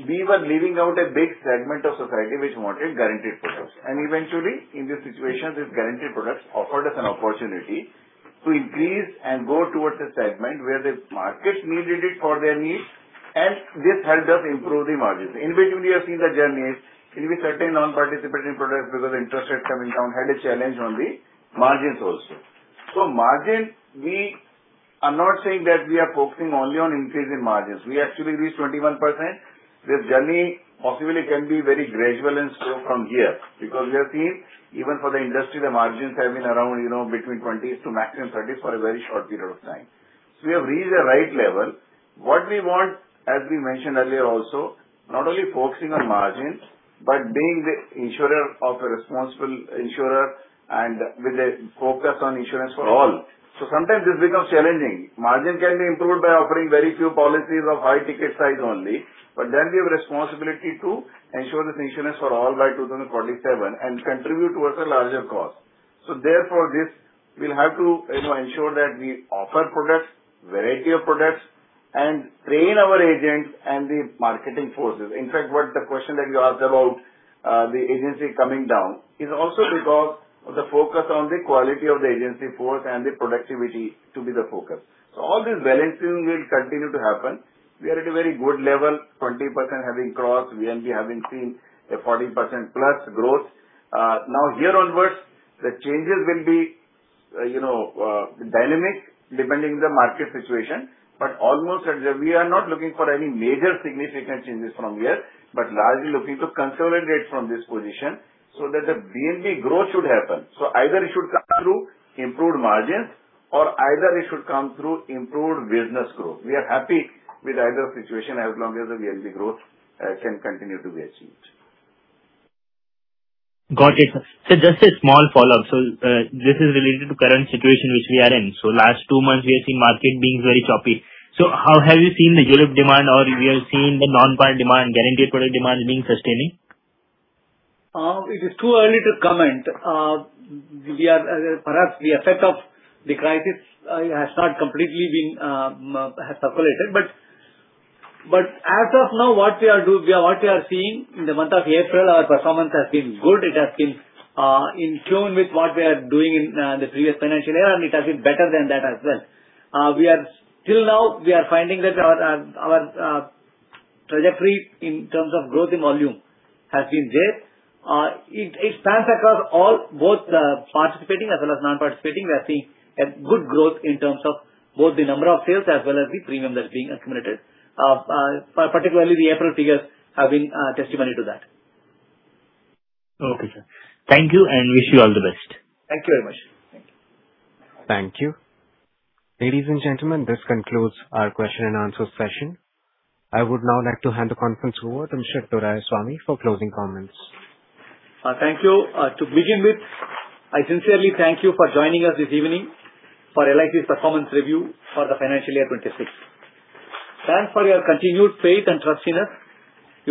We were leaving out a big segment of society which wanted guaranteed products. Eventually in this situation, this guaranteed products offered us an opportunity to increase and go towards a segment where the market needed it for their needs, and this helped us improve the margins. In between, we have seen the journeys in the certain non-participating products because interest rates coming down had a challenge on the margins also. Margin, we are not saying that we are focusing only on increase in margins. We actually reached 21%. This journey possibly can be very gradual in scope from here because we have seen even for the industry, the margins have been around between 20%-30% for a very short period of time. We have reached the right level. What we want, as we mentioned earlier also, not only focusing on margins, but being the insurer of a responsible insurer and with a focus on Insurance for All. Sometimes this becomes challenging. Margin can be improved by offering very few policies of high ticket size only, but then we have a responsibility to ensure this Insurance for All by 2047 and contribute towards a larger cause. This will have to ensure that we offer products, variety of products, and train our agents and the marketing forces. In fact, what the question that you asked about the agency coming down is also because of the focus on the quality of the agency force and the productivity to be the focus. All this balancing will continue to happen. We are at a very good level, 20% having crossed VNB, having seen a 14%+ growth. Here onwards, the changes will be dynamic depending the market situation. Almost we are not looking for any major significant changes from here, but largely looking to consolidate from this position so that the VNB growth should happen. Either it should come through improved margins or either it should come through improved business growth. We are happy with either situation as long as the VNB growth can continue to be achieved. Got it. Just a small follow-up. This is related to current situation which we are in. Last two months we are seeing market being very choppy. How have you seen the unit demand or we are seeing the non-par demand, guaranteed product demand being sustaining? It is too early to comment. Perhaps the effect of the crisis has not completely circulated. As of now, what we are seeing in the month of April, our performance has been good. It has been in tune with what we are doing in the previous financial year, and it has been better than that as well. Till now, we are finding that our trajectory in terms of growth in volume has been there. It spans across all, both participating as well as non-participating. We are seeing a good growth in terms of both the number of sales as well as the premium that's being accumulated. Particularly the April figures have been testimony to that. Okay, sir. Thank you and wish you all the best. Thank you very much. Thank you. Thank you. Ladies and gentlemen, this concludes our question and answer session. I would now like to hand the conference over to Mr. Doraiswamy for closing comments. Thank you. To begin with, I sincerely thank you for joining us this evening for LIC's performance review for the financial year 2026. Thanks for your continued faith and trust in us.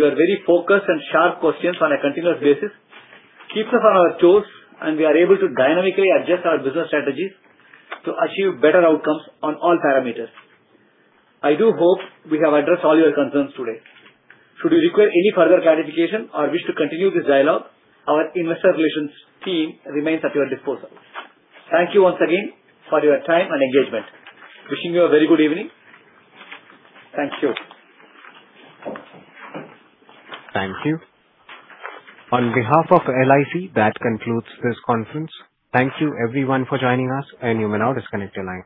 Your very focused and sharp questions on a continuous basis keeps us on our toes, and we are able to dynamically adjust our business strategies to achieve better outcomes on all parameters. I do hope we have addressed all your concerns today. Should you require any further clarification or wish to continue this dialogue, our investor relations team remains at your disposal. Thank you once again for your time and engagement. Wishing you a very good evening. Thank you. Thank you. On behalf of LIC, that concludes this conference. Thank you everyone for joining us, and you may now disconnect your line.